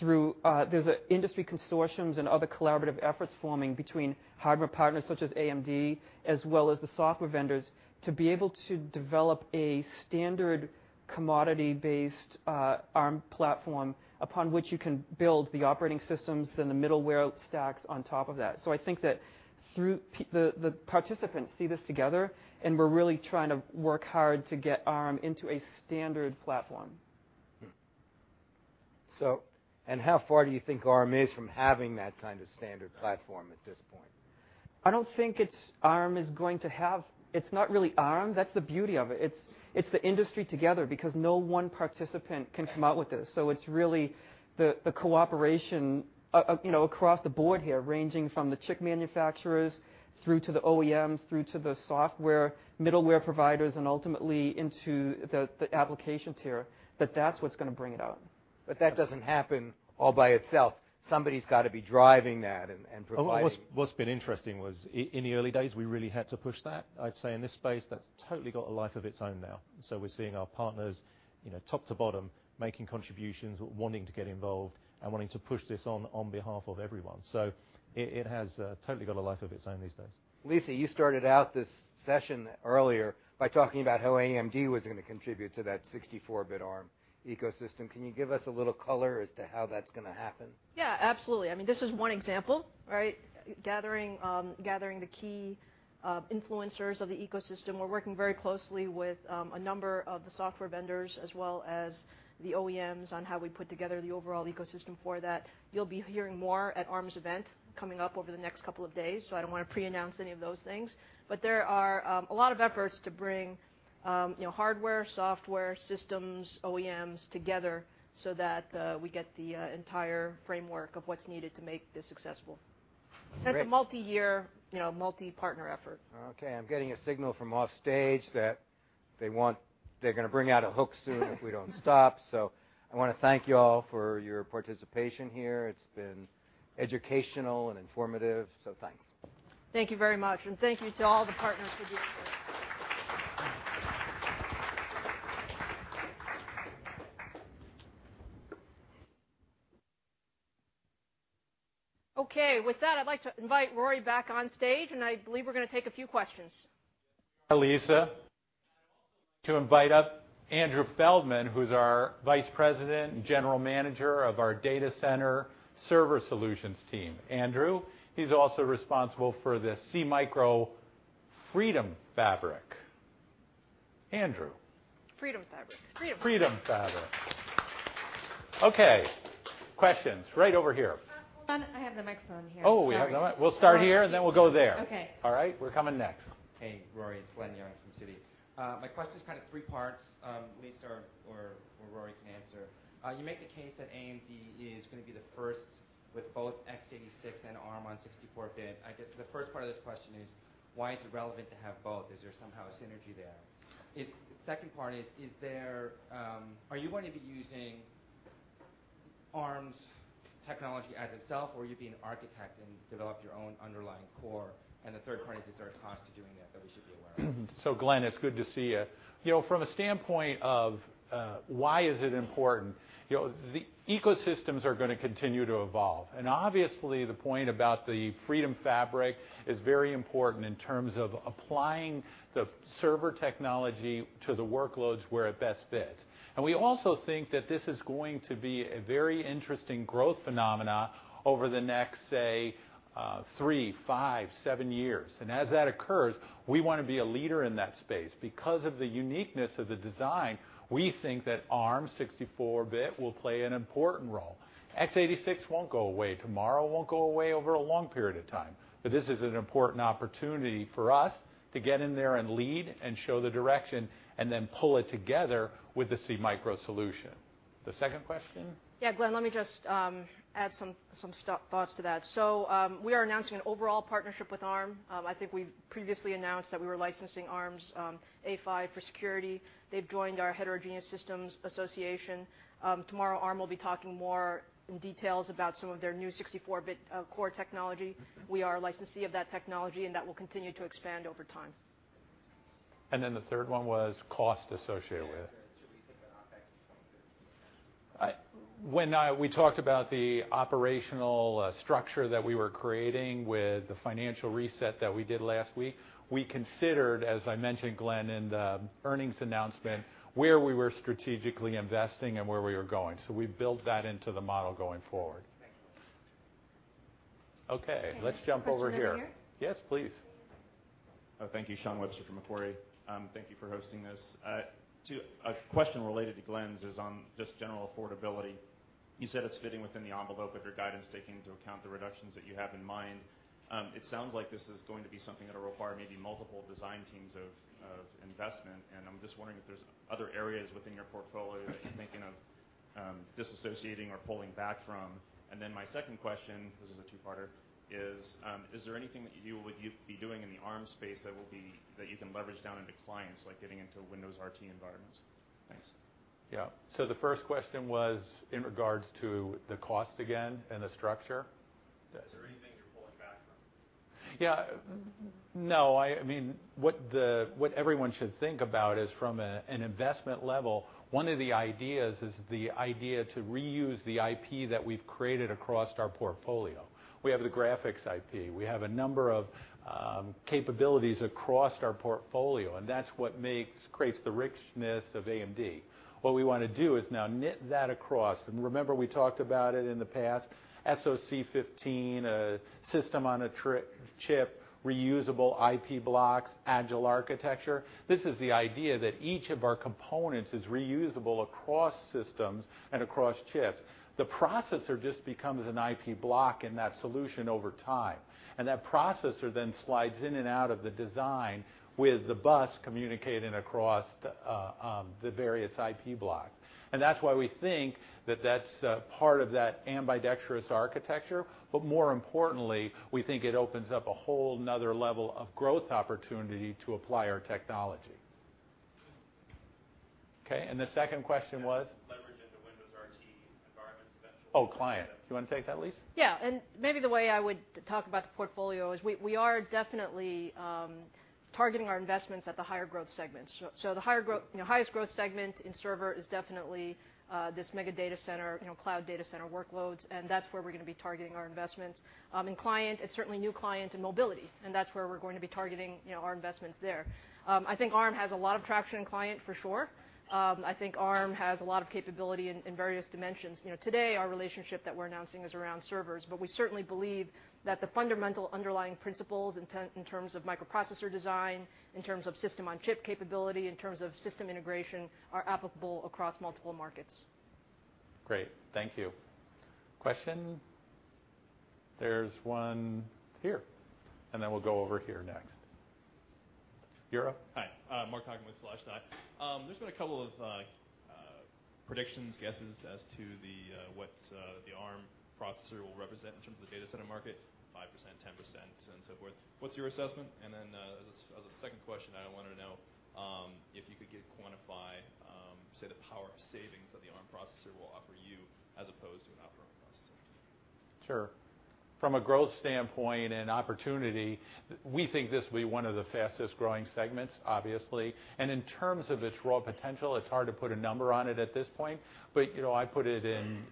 there's industry consortiums and other collaborative efforts forming between hardware partners such as AMD, as well as the software vendors, to be able to develop a standard commodity-based Arm platform upon which you can build the operating systems, the middleware stacks on top of that. I think that the participants see this together, and we're really trying to work hard to get Arm into a standard platform. Hmm. How far do you think Arm is from having that kind of standard platform at this point? I don't think it's not really Arm. That's the beauty of it. It's the industry together, because no one participant can come out with this. It's really the cooperation across the board here, ranging from the chip manufacturers through to the OEMs, through to the software middleware providers, and ultimately into the application tier, that that's what's going to bring it out. That doesn't happen all by itself. Somebody's got to be driving that. What's been interesting was, in the early days, we really had to push that. I'd say in this space, that's totally got a life of its own now. We're seeing our partners top to bottom, making contributions, wanting to get involved, and wanting to push this on behalf of everyone. It has totally got a life of its own these days. Lisa, you started out this session earlier by talking about how AMD was going to contribute to that 64-bit Arm ecosystem. Can you give us a little color as to how that's going to happen? Absolutely. This is one example, right? Gathering the key influencers of the ecosystem. We're working very closely with a number of the software vendors as well as the OEMs on how we put together the overall ecosystem for that. You'll be hearing more at Arm's event coming up over the next couple of days. I don't want to pre-announce any of those things. There are a lot of efforts to bring hardware, software, systems, OEMs together so that we get the entire framework of what's needed to make this successful. Great. It's a multi-year, multi-partner effort. I'm getting a signal from offstage that they're going to bring out a hook soon if we don't stop. I want to thank you all for your participation here. It's been educational and informative. Thanks. Thank you very much, and thank you to all the partners for being here. With that, I'd like to invite Rory back on stage, and I believe we're going to take a few questions. Lisa. I'd also like to invite up Andrew Feldman, who's our Vice President and General Manager of our Data Center Server Solutions team. Andrew. He's also responsible for the SeaMicro Freedom Fabric. Andrew. Freedom Fabric. Freedom Fabric. Freedom Fabric. Okay. Questions. Right over here. John, I have the microphone here. Sorry. Oh, we have the mic. We'll start here, then we'll go there. Okay. All right, we're coming next. Hey, Rory. It's Glenn Yeung from Citi. My question's kind of three parts. Lisa or Rory can answer. You make the case that AMD is going to be the first with both x86 and Arm on 64-bit. I guess the first part of this question is why is it relevant to have both? Is there somehow a synergy there? Second part is, are you going to be using Arm's technology as itself, or are you being an architect and develop your own underlying core? The third part is there a cost to doing that that we should be aware of? Glenn, it's good to see you. From a standpoint of why is it important, the ecosystems are going to continue to evolve. Obviously, the point about the Freedom Fabric is very important in terms of applying the server technology to the workloads where it best fits. We also think that this is going to be a very interesting growth phenomena over the next, say, three, five, seven years. As that occurs, we want to be a leader in that space. Because of the uniqueness of the design, we think that Arm 64-bit will play an important role. x86 won't go away tomorrow, won't go away over a long period of time. This is an important opportunity for us to get in there and lead and show the direction, then pull it together with the SeaMicro solution. The second question? Yeah, Glenn, let me just add some thoughts to that. We are announcing an overall partnership with Arm. I think we've previously announced that we were licensing Arm's Cortex-A5 for security. They've joined our HSA Foundation. Tomorrow, Arm will be talking more in details about some of their new 64-bit core technology. We are a licensee of that technology, and that will continue to expand over time. The third one was cost associated with it. Yeah, the effect in 2015. When we talked about the operational structure that we were creating with the financial reset that we did last week, we considered, as I mentioned, Glenn, in the earnings announcement, where we were strategically investing and where we were going. We've built that into the model going forward. Thank you. Okay, let's jump over here. Question over here. Yes, please. Thank you. Shawn Webster from Macquarie. Thank you for hosting this. A question related to Glenn's is on just general affordability. You said it's fitting within the envelope of your guidance, taking into account the reductions that you have in mind. It sounds like this is going to be something that'll require maybe multiple design teams of investment, I'm just wondering if there's other areas within your portfolio that you're thinking of disassociating or pulling back from. My second question, this is a two-parter, is there anything that you would be doing in the Arm space that you can leverage down into clients, like getting into Windows RT environments? Thanks. Yeah. The first question was in regards to the cost again and the structure? Is there anything you're pulling back from? Yeah. No. What everyone should think about is from an investment level, one of the ideas is the idea to reuse the IP that we've created across our portfolio. We have the graphics IP, we have a number of capabilities across our portfolio, that's what creates the richness of AMD. What we want to do is now knit that across, remember we talked about it in the past, SOC15, System on a Chip, reusable IP blocks, agile architecture. This is the idea that each of our components is reusable across systems and across chips. The processor just becomes an IP block in that solution over time, and that processor then slides in and out of the design with the bus communicating across the various IP blocks. That's why we think that's a part of that ambidextrous architecture. More importantly, we think it opens up a whole another level of growth opportunity to apply our technology. Okay, the second question was? Leverage into Windows RT environments. Oh, client. Do you want to take that, Lisa? Yeah. Maybe the way I would talk about the portfolio is we are definitely targeting our investments at the higher growth segments. The highest growth segment in server is definitely this mega data center, cloud data center workloads, and that's where we're going to be targeting our investments. In client, it's certainly new client and mobility, and that's where we're going to be targeting our investments there. I think Arm has a lot of traction in client for sure. I think Arm has a lot of capability in various dimensions. Today, our relationship that we're announcing is around servers, but we certainly believe that the fundamental underlying principles in terms of microprocessor design, in terms of system-on-chip capability, in terms of system integration, are applicable across multiple markets. Great. Thank you. Question? There's one here, then we'll go over here next. You're up. Hi, Mark Hachman with Slashdot. There's been a couple of predictions, guesses as to what the Arm processor will represent in terms of the data center market, 5%, 10%, and so forth. What's your assessment? Then, as a second question, I wanted to know if you could quantify, say, the power savings that the Arm processor will offer you as opposed to an Opteron processor. Sure. From a growth standpoint and opportunity, we think this will be one of the fastest-growing segments, obviously. In terms of its raw potential, it's hard to put a number on it at this point, but I put it in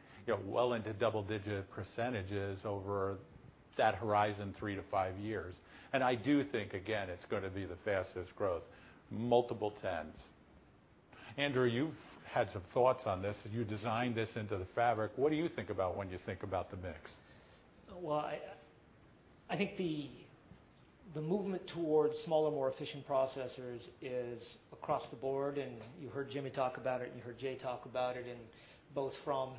well into double-digit percentages over that horizon, 3 to 5 years. I do think, again, it's going to be the fastest growth, multiple tens. Andrew, you've had some thoughts on this, and you designed this into the fabric. What do you think about when you think about the mix? Well, I think the movement towards smaller, more efficient processors is across the board. You heard Jimmy talk about it. You heard Jay talk about it, both from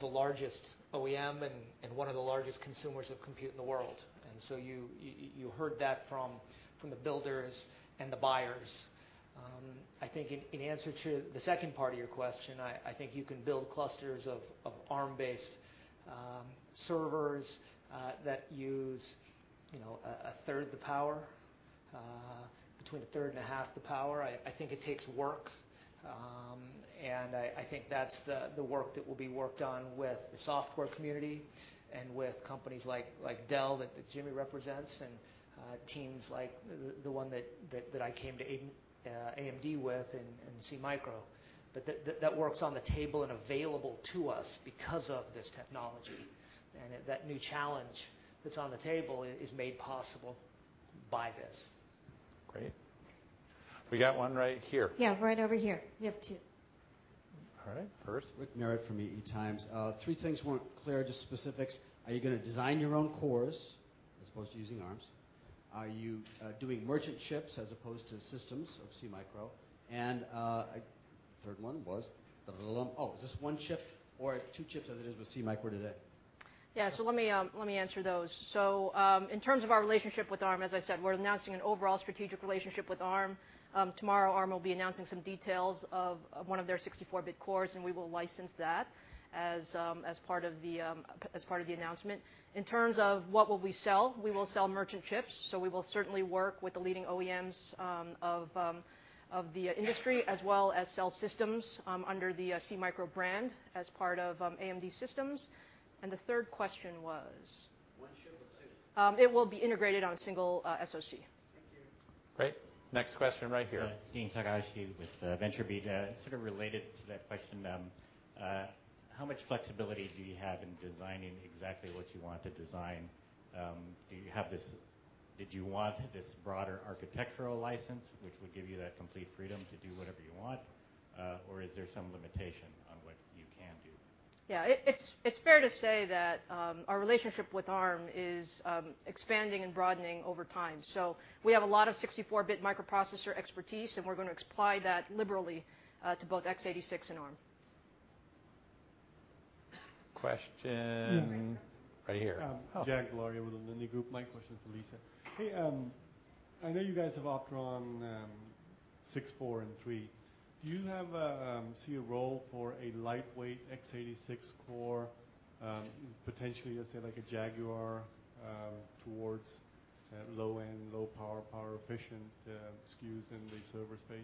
the largest OEM and one of the largest consumers of compute in the world. So you heard that from the builders and the buyers. I think in answer to the second part of your question, I think you can build clusters of Arm-based servers that use a third the power, between a third and a half the power. I think it takes work. I think that's the work that will be worked on with the software community and with companies like Dell that Jimmy represents and teams like the one that I came to AMD with and SeaMicro. That work's on the table and available to us because of this technology. That new challenge that's on the table is made possible by this. Great. We got one right here. Yeah, right over here. You have two. All right, first Rick Merritt from EE Times. Three things weren't clear, just specifics. Are you going to design your own cores as opposed to using Arm's? Are you doing merchant chips as opposed to systems of SeaMicro? The third one was, is this one chip or two chips as it is with SeaMicro today? Yeah. Let me answer those. In terms of our relationship with Arm, as I said, we're announcing an overall strategic relationship with Arm. Tomorrow, Arm will be announcing some details of one of their 64-bit cores, we will license that as part of the announcement. In terms of what will we sell, we will sell merchant chips. We will certainly work with the leading OEMs of the industry, as well as sell systems under the SeaMicro brand as part of AMD systems. The third question was? One chip or two? It will be integrated on a single SoC. Thank you. Great. Next question right here. Dean Takahashi with VentureBeat. Sort of related to that question, how much flexibility do you have in designing exactly what you want to design? Did you want this broader architectural license, which would give you that complete freedom to do whatever you want? Or is there some limitation on what you can do? Yeah. It's fair to say that our relationship with Arm is expanding and broadening over time. We have a lot of 64-bit microprocessor expertise, and we're going to apply that liberally to both x86 and Arm. Question right here. Jag Bolaria with The Linley Group. My question is for Lisa. Hey, I know you guys have Opteron six, four, and three. Do you see a role for a lightweight x86 core, potentially, let's say like a Jaguar, towards low-end, low-power, power-efficient SKUs in the server space?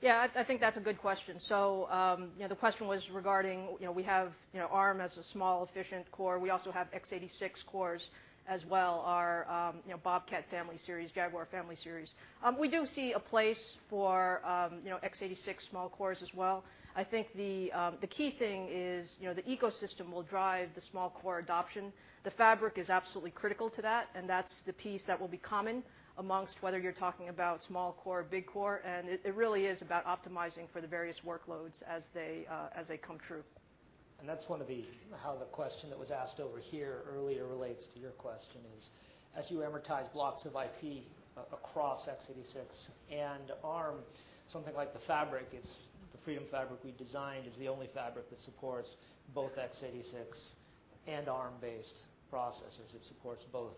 Yeah, I think that's a good question. The question was regarding we have Arm as a small, efficient core. We also have x86 cores as well, our Bobcat family series, Jaguar family series. We do see a place for x86 small cores as well. I think the key thing is the ecosystem will drive the small core adoption. The fabric is absolutely critical to that, and that's the piece that will be common among whether you're talking about small core or big core, and it really is about optimizing for the various workloads as they come true. That's one of how the question that was asked over here earlier relates to your question is, as you amortize blocks of IP across x86 and Arm, something like the fabric, the Freedom Fabric we designed is the only fabric that supports both x86 and Arm-based processors. It supports both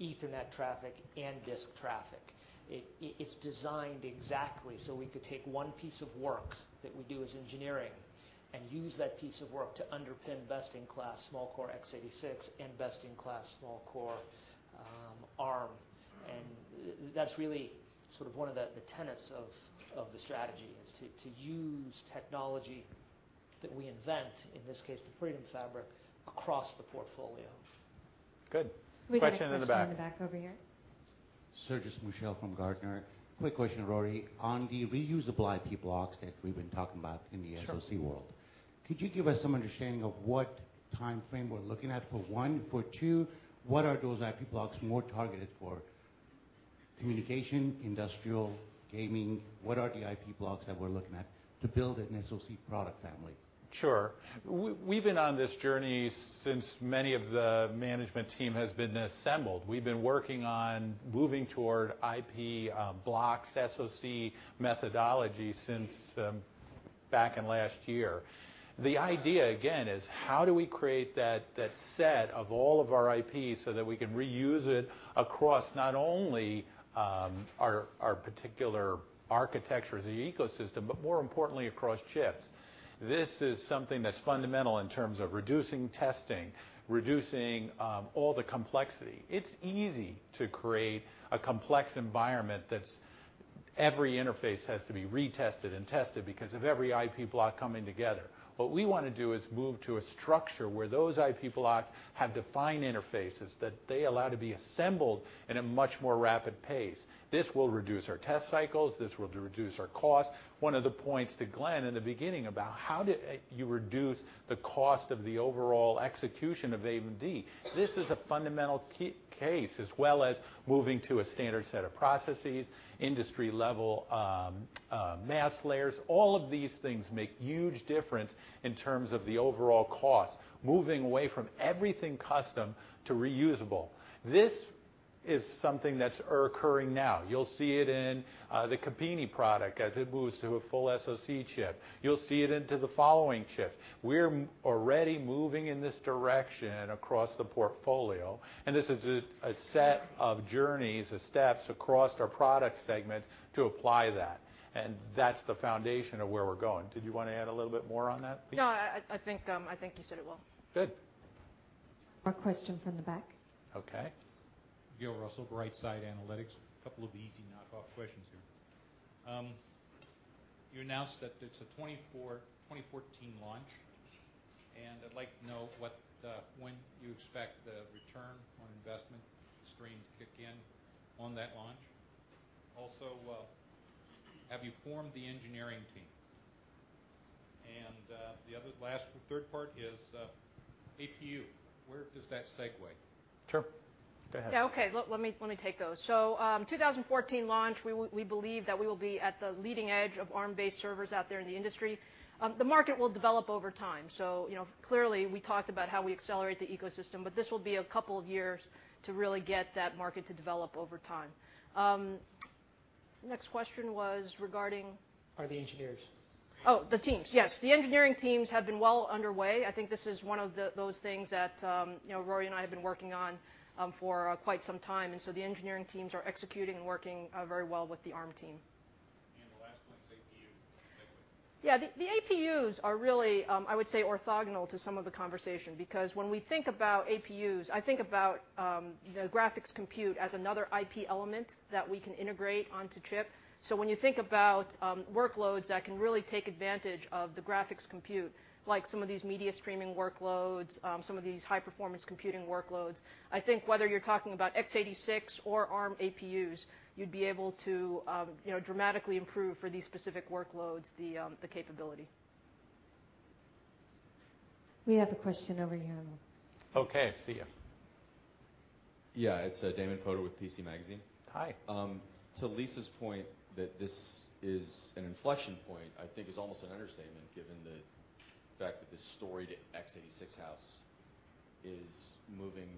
Ethernet traffic and disk traffic. It's designed exactly so we could take one piece of work that we do as engineering and use that piece of work to underpin best-in-class small core x86 and best-in-class small core Arm. That's really one of the tenets of the strategy is to use technology that we invent, in this case, the Freedom Fabric, across the portfolio. Good. Question in the back. We got a question in the back over here. Sergis Mushell from Gartner. Quick question, Rory. On the reusable IP blocks that we've been talking about in the SoC world. Sure Could you give us some understanding of what timeframe we're looking at for one? For two, what are those IP blocks more targeted for? Communication, industrial, gaming? What are the IP blocks that we're looking at to build an SoC product family? Sure. We've been on this journey since many of the management team has been assembled. We've been working on moving toward IP blocks, SoC methodology since back in last year. The idea again is how do we create that set of all of our IPs so that we can reuse it across not only our particular architectures of the ecosystem, but more importantly, across chips. This is something that's fundamental in terms of reducing testing, reducing all the complexity. It's easy to create a complex environment that's every interface has to be retested and tested because of every IP block coming together. What we want to do is move to a structure where those IP blocks have defined interfaces that they allow to be assembled in a much more rapid pace. This will reduce our test cycles. This will reduce our cost. One of the points to Glenn in the beginning about how you reduce the cost of the overall execution of AMD. This is a fundamental case, as well as moving to a standard set of processes, industry-level mass layers. All of these things make huge difference in terms of the overall cost, moving away from everything custom to reusable. This is something that's occurring now. You'll see it in the Kabini product as it moves to a full SoC chip. You'll see it into the following chips. We're already moving in this direction across the portfolio, and this is a set of journeys, of steps across our product segments to apply that, and that's the foundation of where we're going. Did you want to add a little bit more on that, Lisa? No, I think you said it well. Good. One question from the back. Okay. Gil Russell, Bright Side Analytics. A couple of easy knockoff questions here. You announced that it is a 2014 launch, and I would like to know when you expect the return on investment stream to kick in on that launch. Also, have you formed the engineering team? The third part is APU. Where does that segue? Sure. Go ahead. Yeah. Okay. Let me take those. 2014 launch, we believe that we will be at the leading edge of Arm-based servers out there in the industry. The market will develop over time. Clearly, we talked about how we accelerate the ecosystem, this will be a couple of years to really get that market to develop over time. Next question was regarding? Are the engineers. Oh, the teams. Yes. The engineering teams have been well underway. I think this is one of those things that Rory and I have been working on for quite some time. The engineering teams are executing and working very well with the Arm team. The last one's APU. Segue. Yeah. The APUs are really, I would say, orthogonal to some of the conversation because when we think about APUs, I think about the graphics compute as another IP element that we can integrate onto chip. When you think about workloads that can really take advantage of the graphics compute, like some of these media streaming workloads, some of these high-performance computing workloads, I think whether you're talking about x86 or Arm APUs, you'd be able to dramatically improve for these specific workloads, the capability. We have a question over here. Okay, I see you. Yeah. It's Damon Poeter with PC Magazine. Hi. To Lisa's point that this is an inflection point, I think is almost an understatement given the fact that the storied x86 house is moving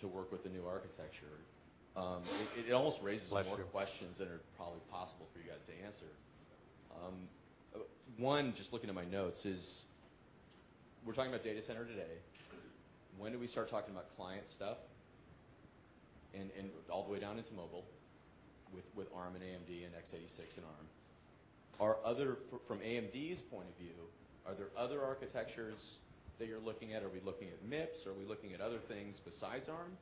to work with the new architecture. It almost raises. Pleasure a lot more questions than are probably possible for you guys to answer. One, just looking at my notes, is we're talking about data center today. When do we start talking about client stuff, and all the way down into mobile with Arm and AMD and x86 and Arm? From AMD's point of view, are there other architectures that you're looking at? Are we looking at MIPS? Are we looking at other things besides Arm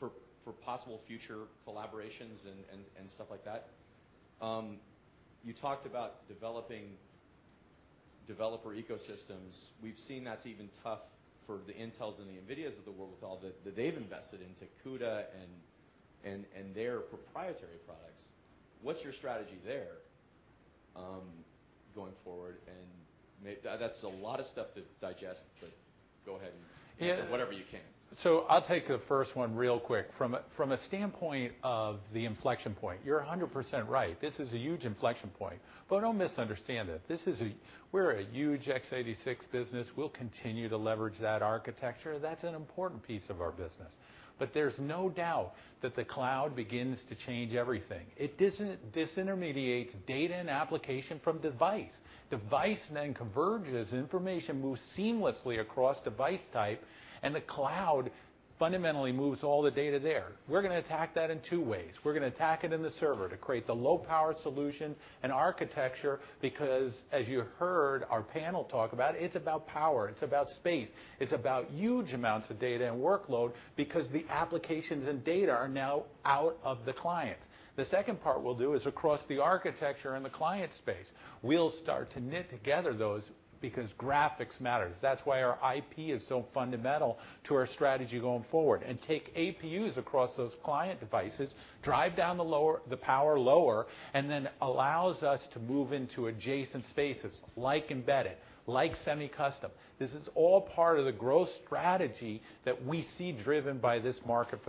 for possible future collaborations and stuff like that? You talked about developing developer ecosystems. We've seen that's even tough for the Intel and the Nvidia of the world with all that they've invested into CUDA and their proprietary products. What's your strategy there going forward? That's a lot of stuff to digest, but go ahead. Yeah answer whatever you can. I'll take the first one real quick. From a standpoint of the inflection point, you're 100% right. This is a huge inflection point. Don't misunderstand it. We're a huge x86 business. We'll continue to leverage that architecture. That's an important piece of our business. There's no doubt that the cloud begins to change everything. It disintermediates data and application from device. Device converges, information moves seamlessly across device type, and the cloud fundamentally moves all the data there. We're going to attack that in two ways. We're going to attack it in the server to create the low-power solution and architecture because, as you heard our panel talk about, it's about power, it's about space, it's about huge amounts of data and workload because the applications and data are now out of the client. The second part we'll do is across the architecture and the client space. We'll start to knit together those because graphics matters. That's why our IP is so fundamental to our strategy going forward. Take APUs across those client devices, drive down the power lower, and then allows us to move into adjacent spaces like embedded, like semi-custom. This is all part of the growth strategy that we see driven by this market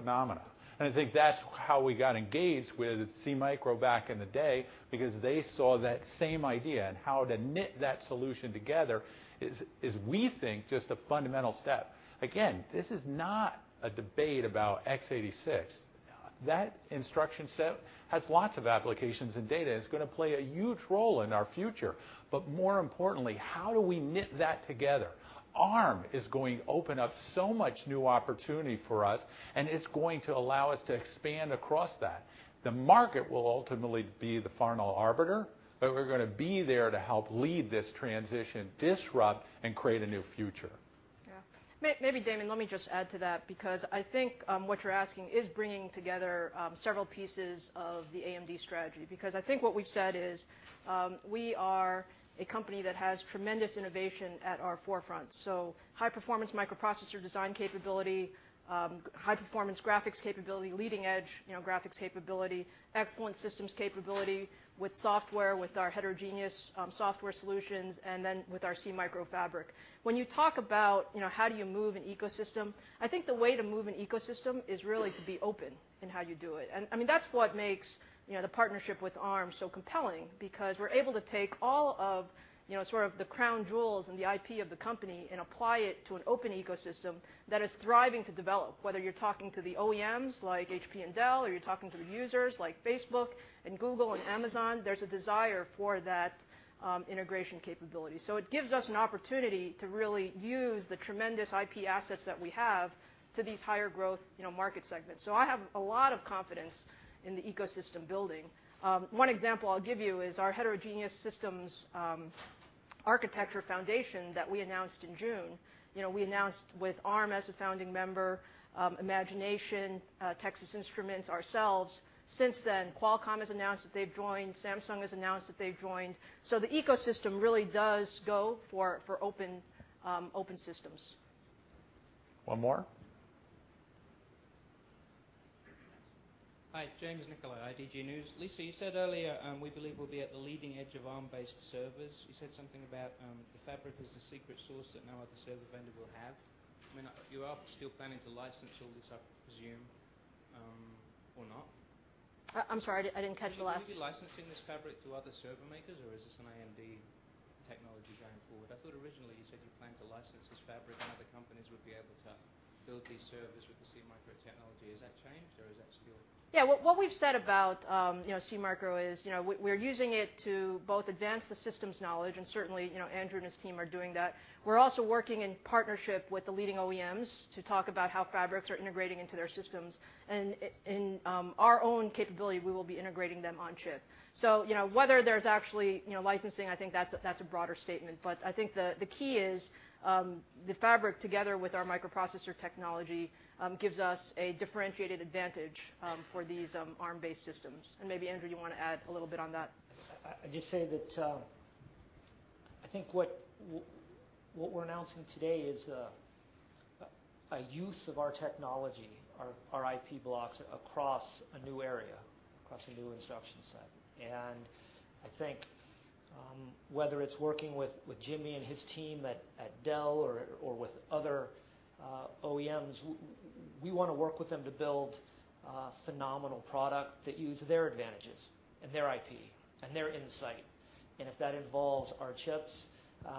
phenomena. I think that's how we got engaged with SeaMicro back in the day because they saw that same idea, and how to knit that solution together is, we think, just a fundamental step. Again, this is not a debate about x86. That instruction set has lots of applications and data, and it's going to play a huge role in our future. More importantly, how do we knit that together? Arm is going to open up so much new opportunity for us, and it's going to allow us to expand across that. The market will ultimately be the final arbiter, we're going to be there to help lead this transition, disrupt, and create a new future. Maybe Damon, let me just add to that because I think what you're asking is bringing together several pieces of the AMD strategy. I think what we've said is we are a company that has tremendous innovation at our forefront, so high-performance microprocessor design capability, high-performance graphics capability, leading-edge graphics capability, excellent systems capability with software, with our heterogeneous software solutions, and then with our SeaMicro fabric. When you talk about how do you move an ecosystem, I think the way to move an ecosystem is really to be open in how you do it. That's what makes the partnership with Arm so compelling because we're able to take all of sort of the crown jewels and the IP of the company and apply it to an open ecosystem that is thriving to develop. Whether you're talking to the OEMs like HP and Dell, or you're talking to the users like Facebook and Google and Amazon, there's a desire for that integration capability. It gives us an opportunity to really use the tremendous IP assets that we have to these higher growth market segments. I have a lot of confidence in the ecosystem building. One example I'll give you is our heterogeneous systems architecture foundation that we announced in June. We announced with Arm as a founding member, Imagination, Texas Instruments, ourselves. Since then, Qualcomm has announced that they've joined. Samsung has announced that they've joined. The ecosystem really does go for open systems. One more? Hi, James Niccolai, IDG News. Lisa, you said earlier, we believe we'll be at the leading edge of Arm-based servers. You said something about the fabric is the secret sauce that no other server vendor will have. You are still planning to license all this, I presume, or not? I'm sorry, I didn't catch the last- Will you be licensing this fabric to other server makers, or is this an AMD technology going forward? I thought originally you said you planned to license this fabric, and other companies would be able to build these servers with the SeaMicro technology. Has that changed, or is that still- Yeah. What we've said about SeaMicro is we're using it to both advance the systems knowledge, and certainly, Andrew and his team are doing that. We're also working in partnership with the leading OEMs to talk about how fabrics are integrating into their systems. In our own capability, we will be integrating them on chip. Whether there's actually licensing, I think that's a broader statement. I think the key is the fabric together with our microprocessor technology gives us a differentiated advantage for these Arm-based systems. Maybe, Andrew, you want to add a little bit on that. I'd just say that I think what we're announcing today is a use of our technology, our IP blocks, across a new area, across a new instruction set. I think whether it's working with Jimmy and his team at Dell or with other OEMs, we want to work with them to build phenomenal product that use their advantages and their IP and their insight. If that involves our chips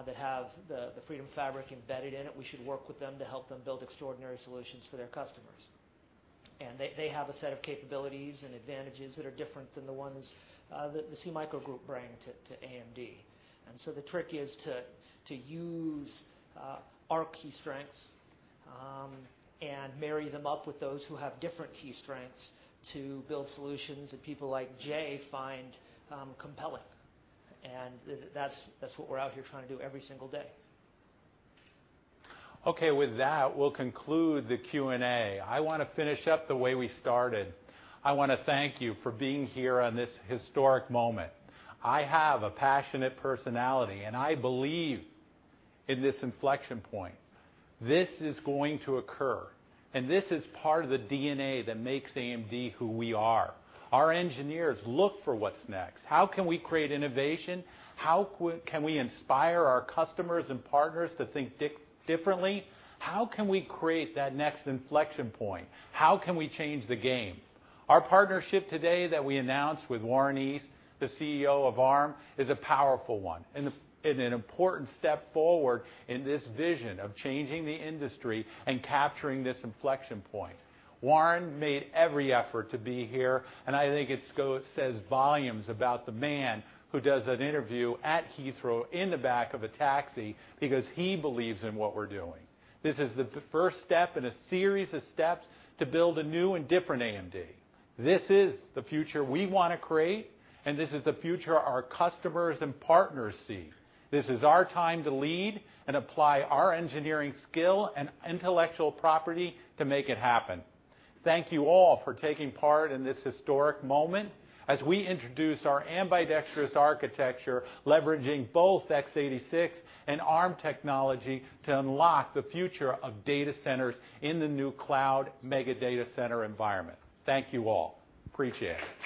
that have the Freedom Fabric embedded in it, we should work with them to help them build extraordinary solutions for their customers. They have a set of capabilities and advantages that are different than the ones that the SeaMicro group bring to AMD. The trick is to use our key strengths and marry them up with those who have different key strengths to build solutions that people like Jay find compelling. That's what we're out here trying to do every single day. Okay. With that, we'll conclude the Q&A. I want to finish up the way we started. I want to thank you for being here on this historic moment. I have a passionate personality, and I believe in this inflection point. This is going to occur, and this is part of the DNA that makes AMD who we are. Our engineers look for what's next. How can we create innovation? How can we inspire our customers and partners to think differently? How can we create that next inflection point? How can we change the game? Our partnership today that we announced with Warren East, the CEO of Arm, is a powerful one and an important step forward in this vision of changing the industry and capturing this inflection point. Warren made every effort to be here, and I think it says volumes about the man who does an interview at Heathrow in the back of a taxi because he believes in what we're doing. This is the first step in a series of steps to build a new and different AMD. This is the future we want to create, and this is the future our customers and partners see. This is our time to lead and apply our engineering skill and intellectual property to make it happen. Thank you all for taking part in this historic moment as we introduce our ambidextrous architecture, leveraging both x86 and Arm technology to unlock the future of data centers in the new cloud mega data center environment. Thank you all. Appreciate it.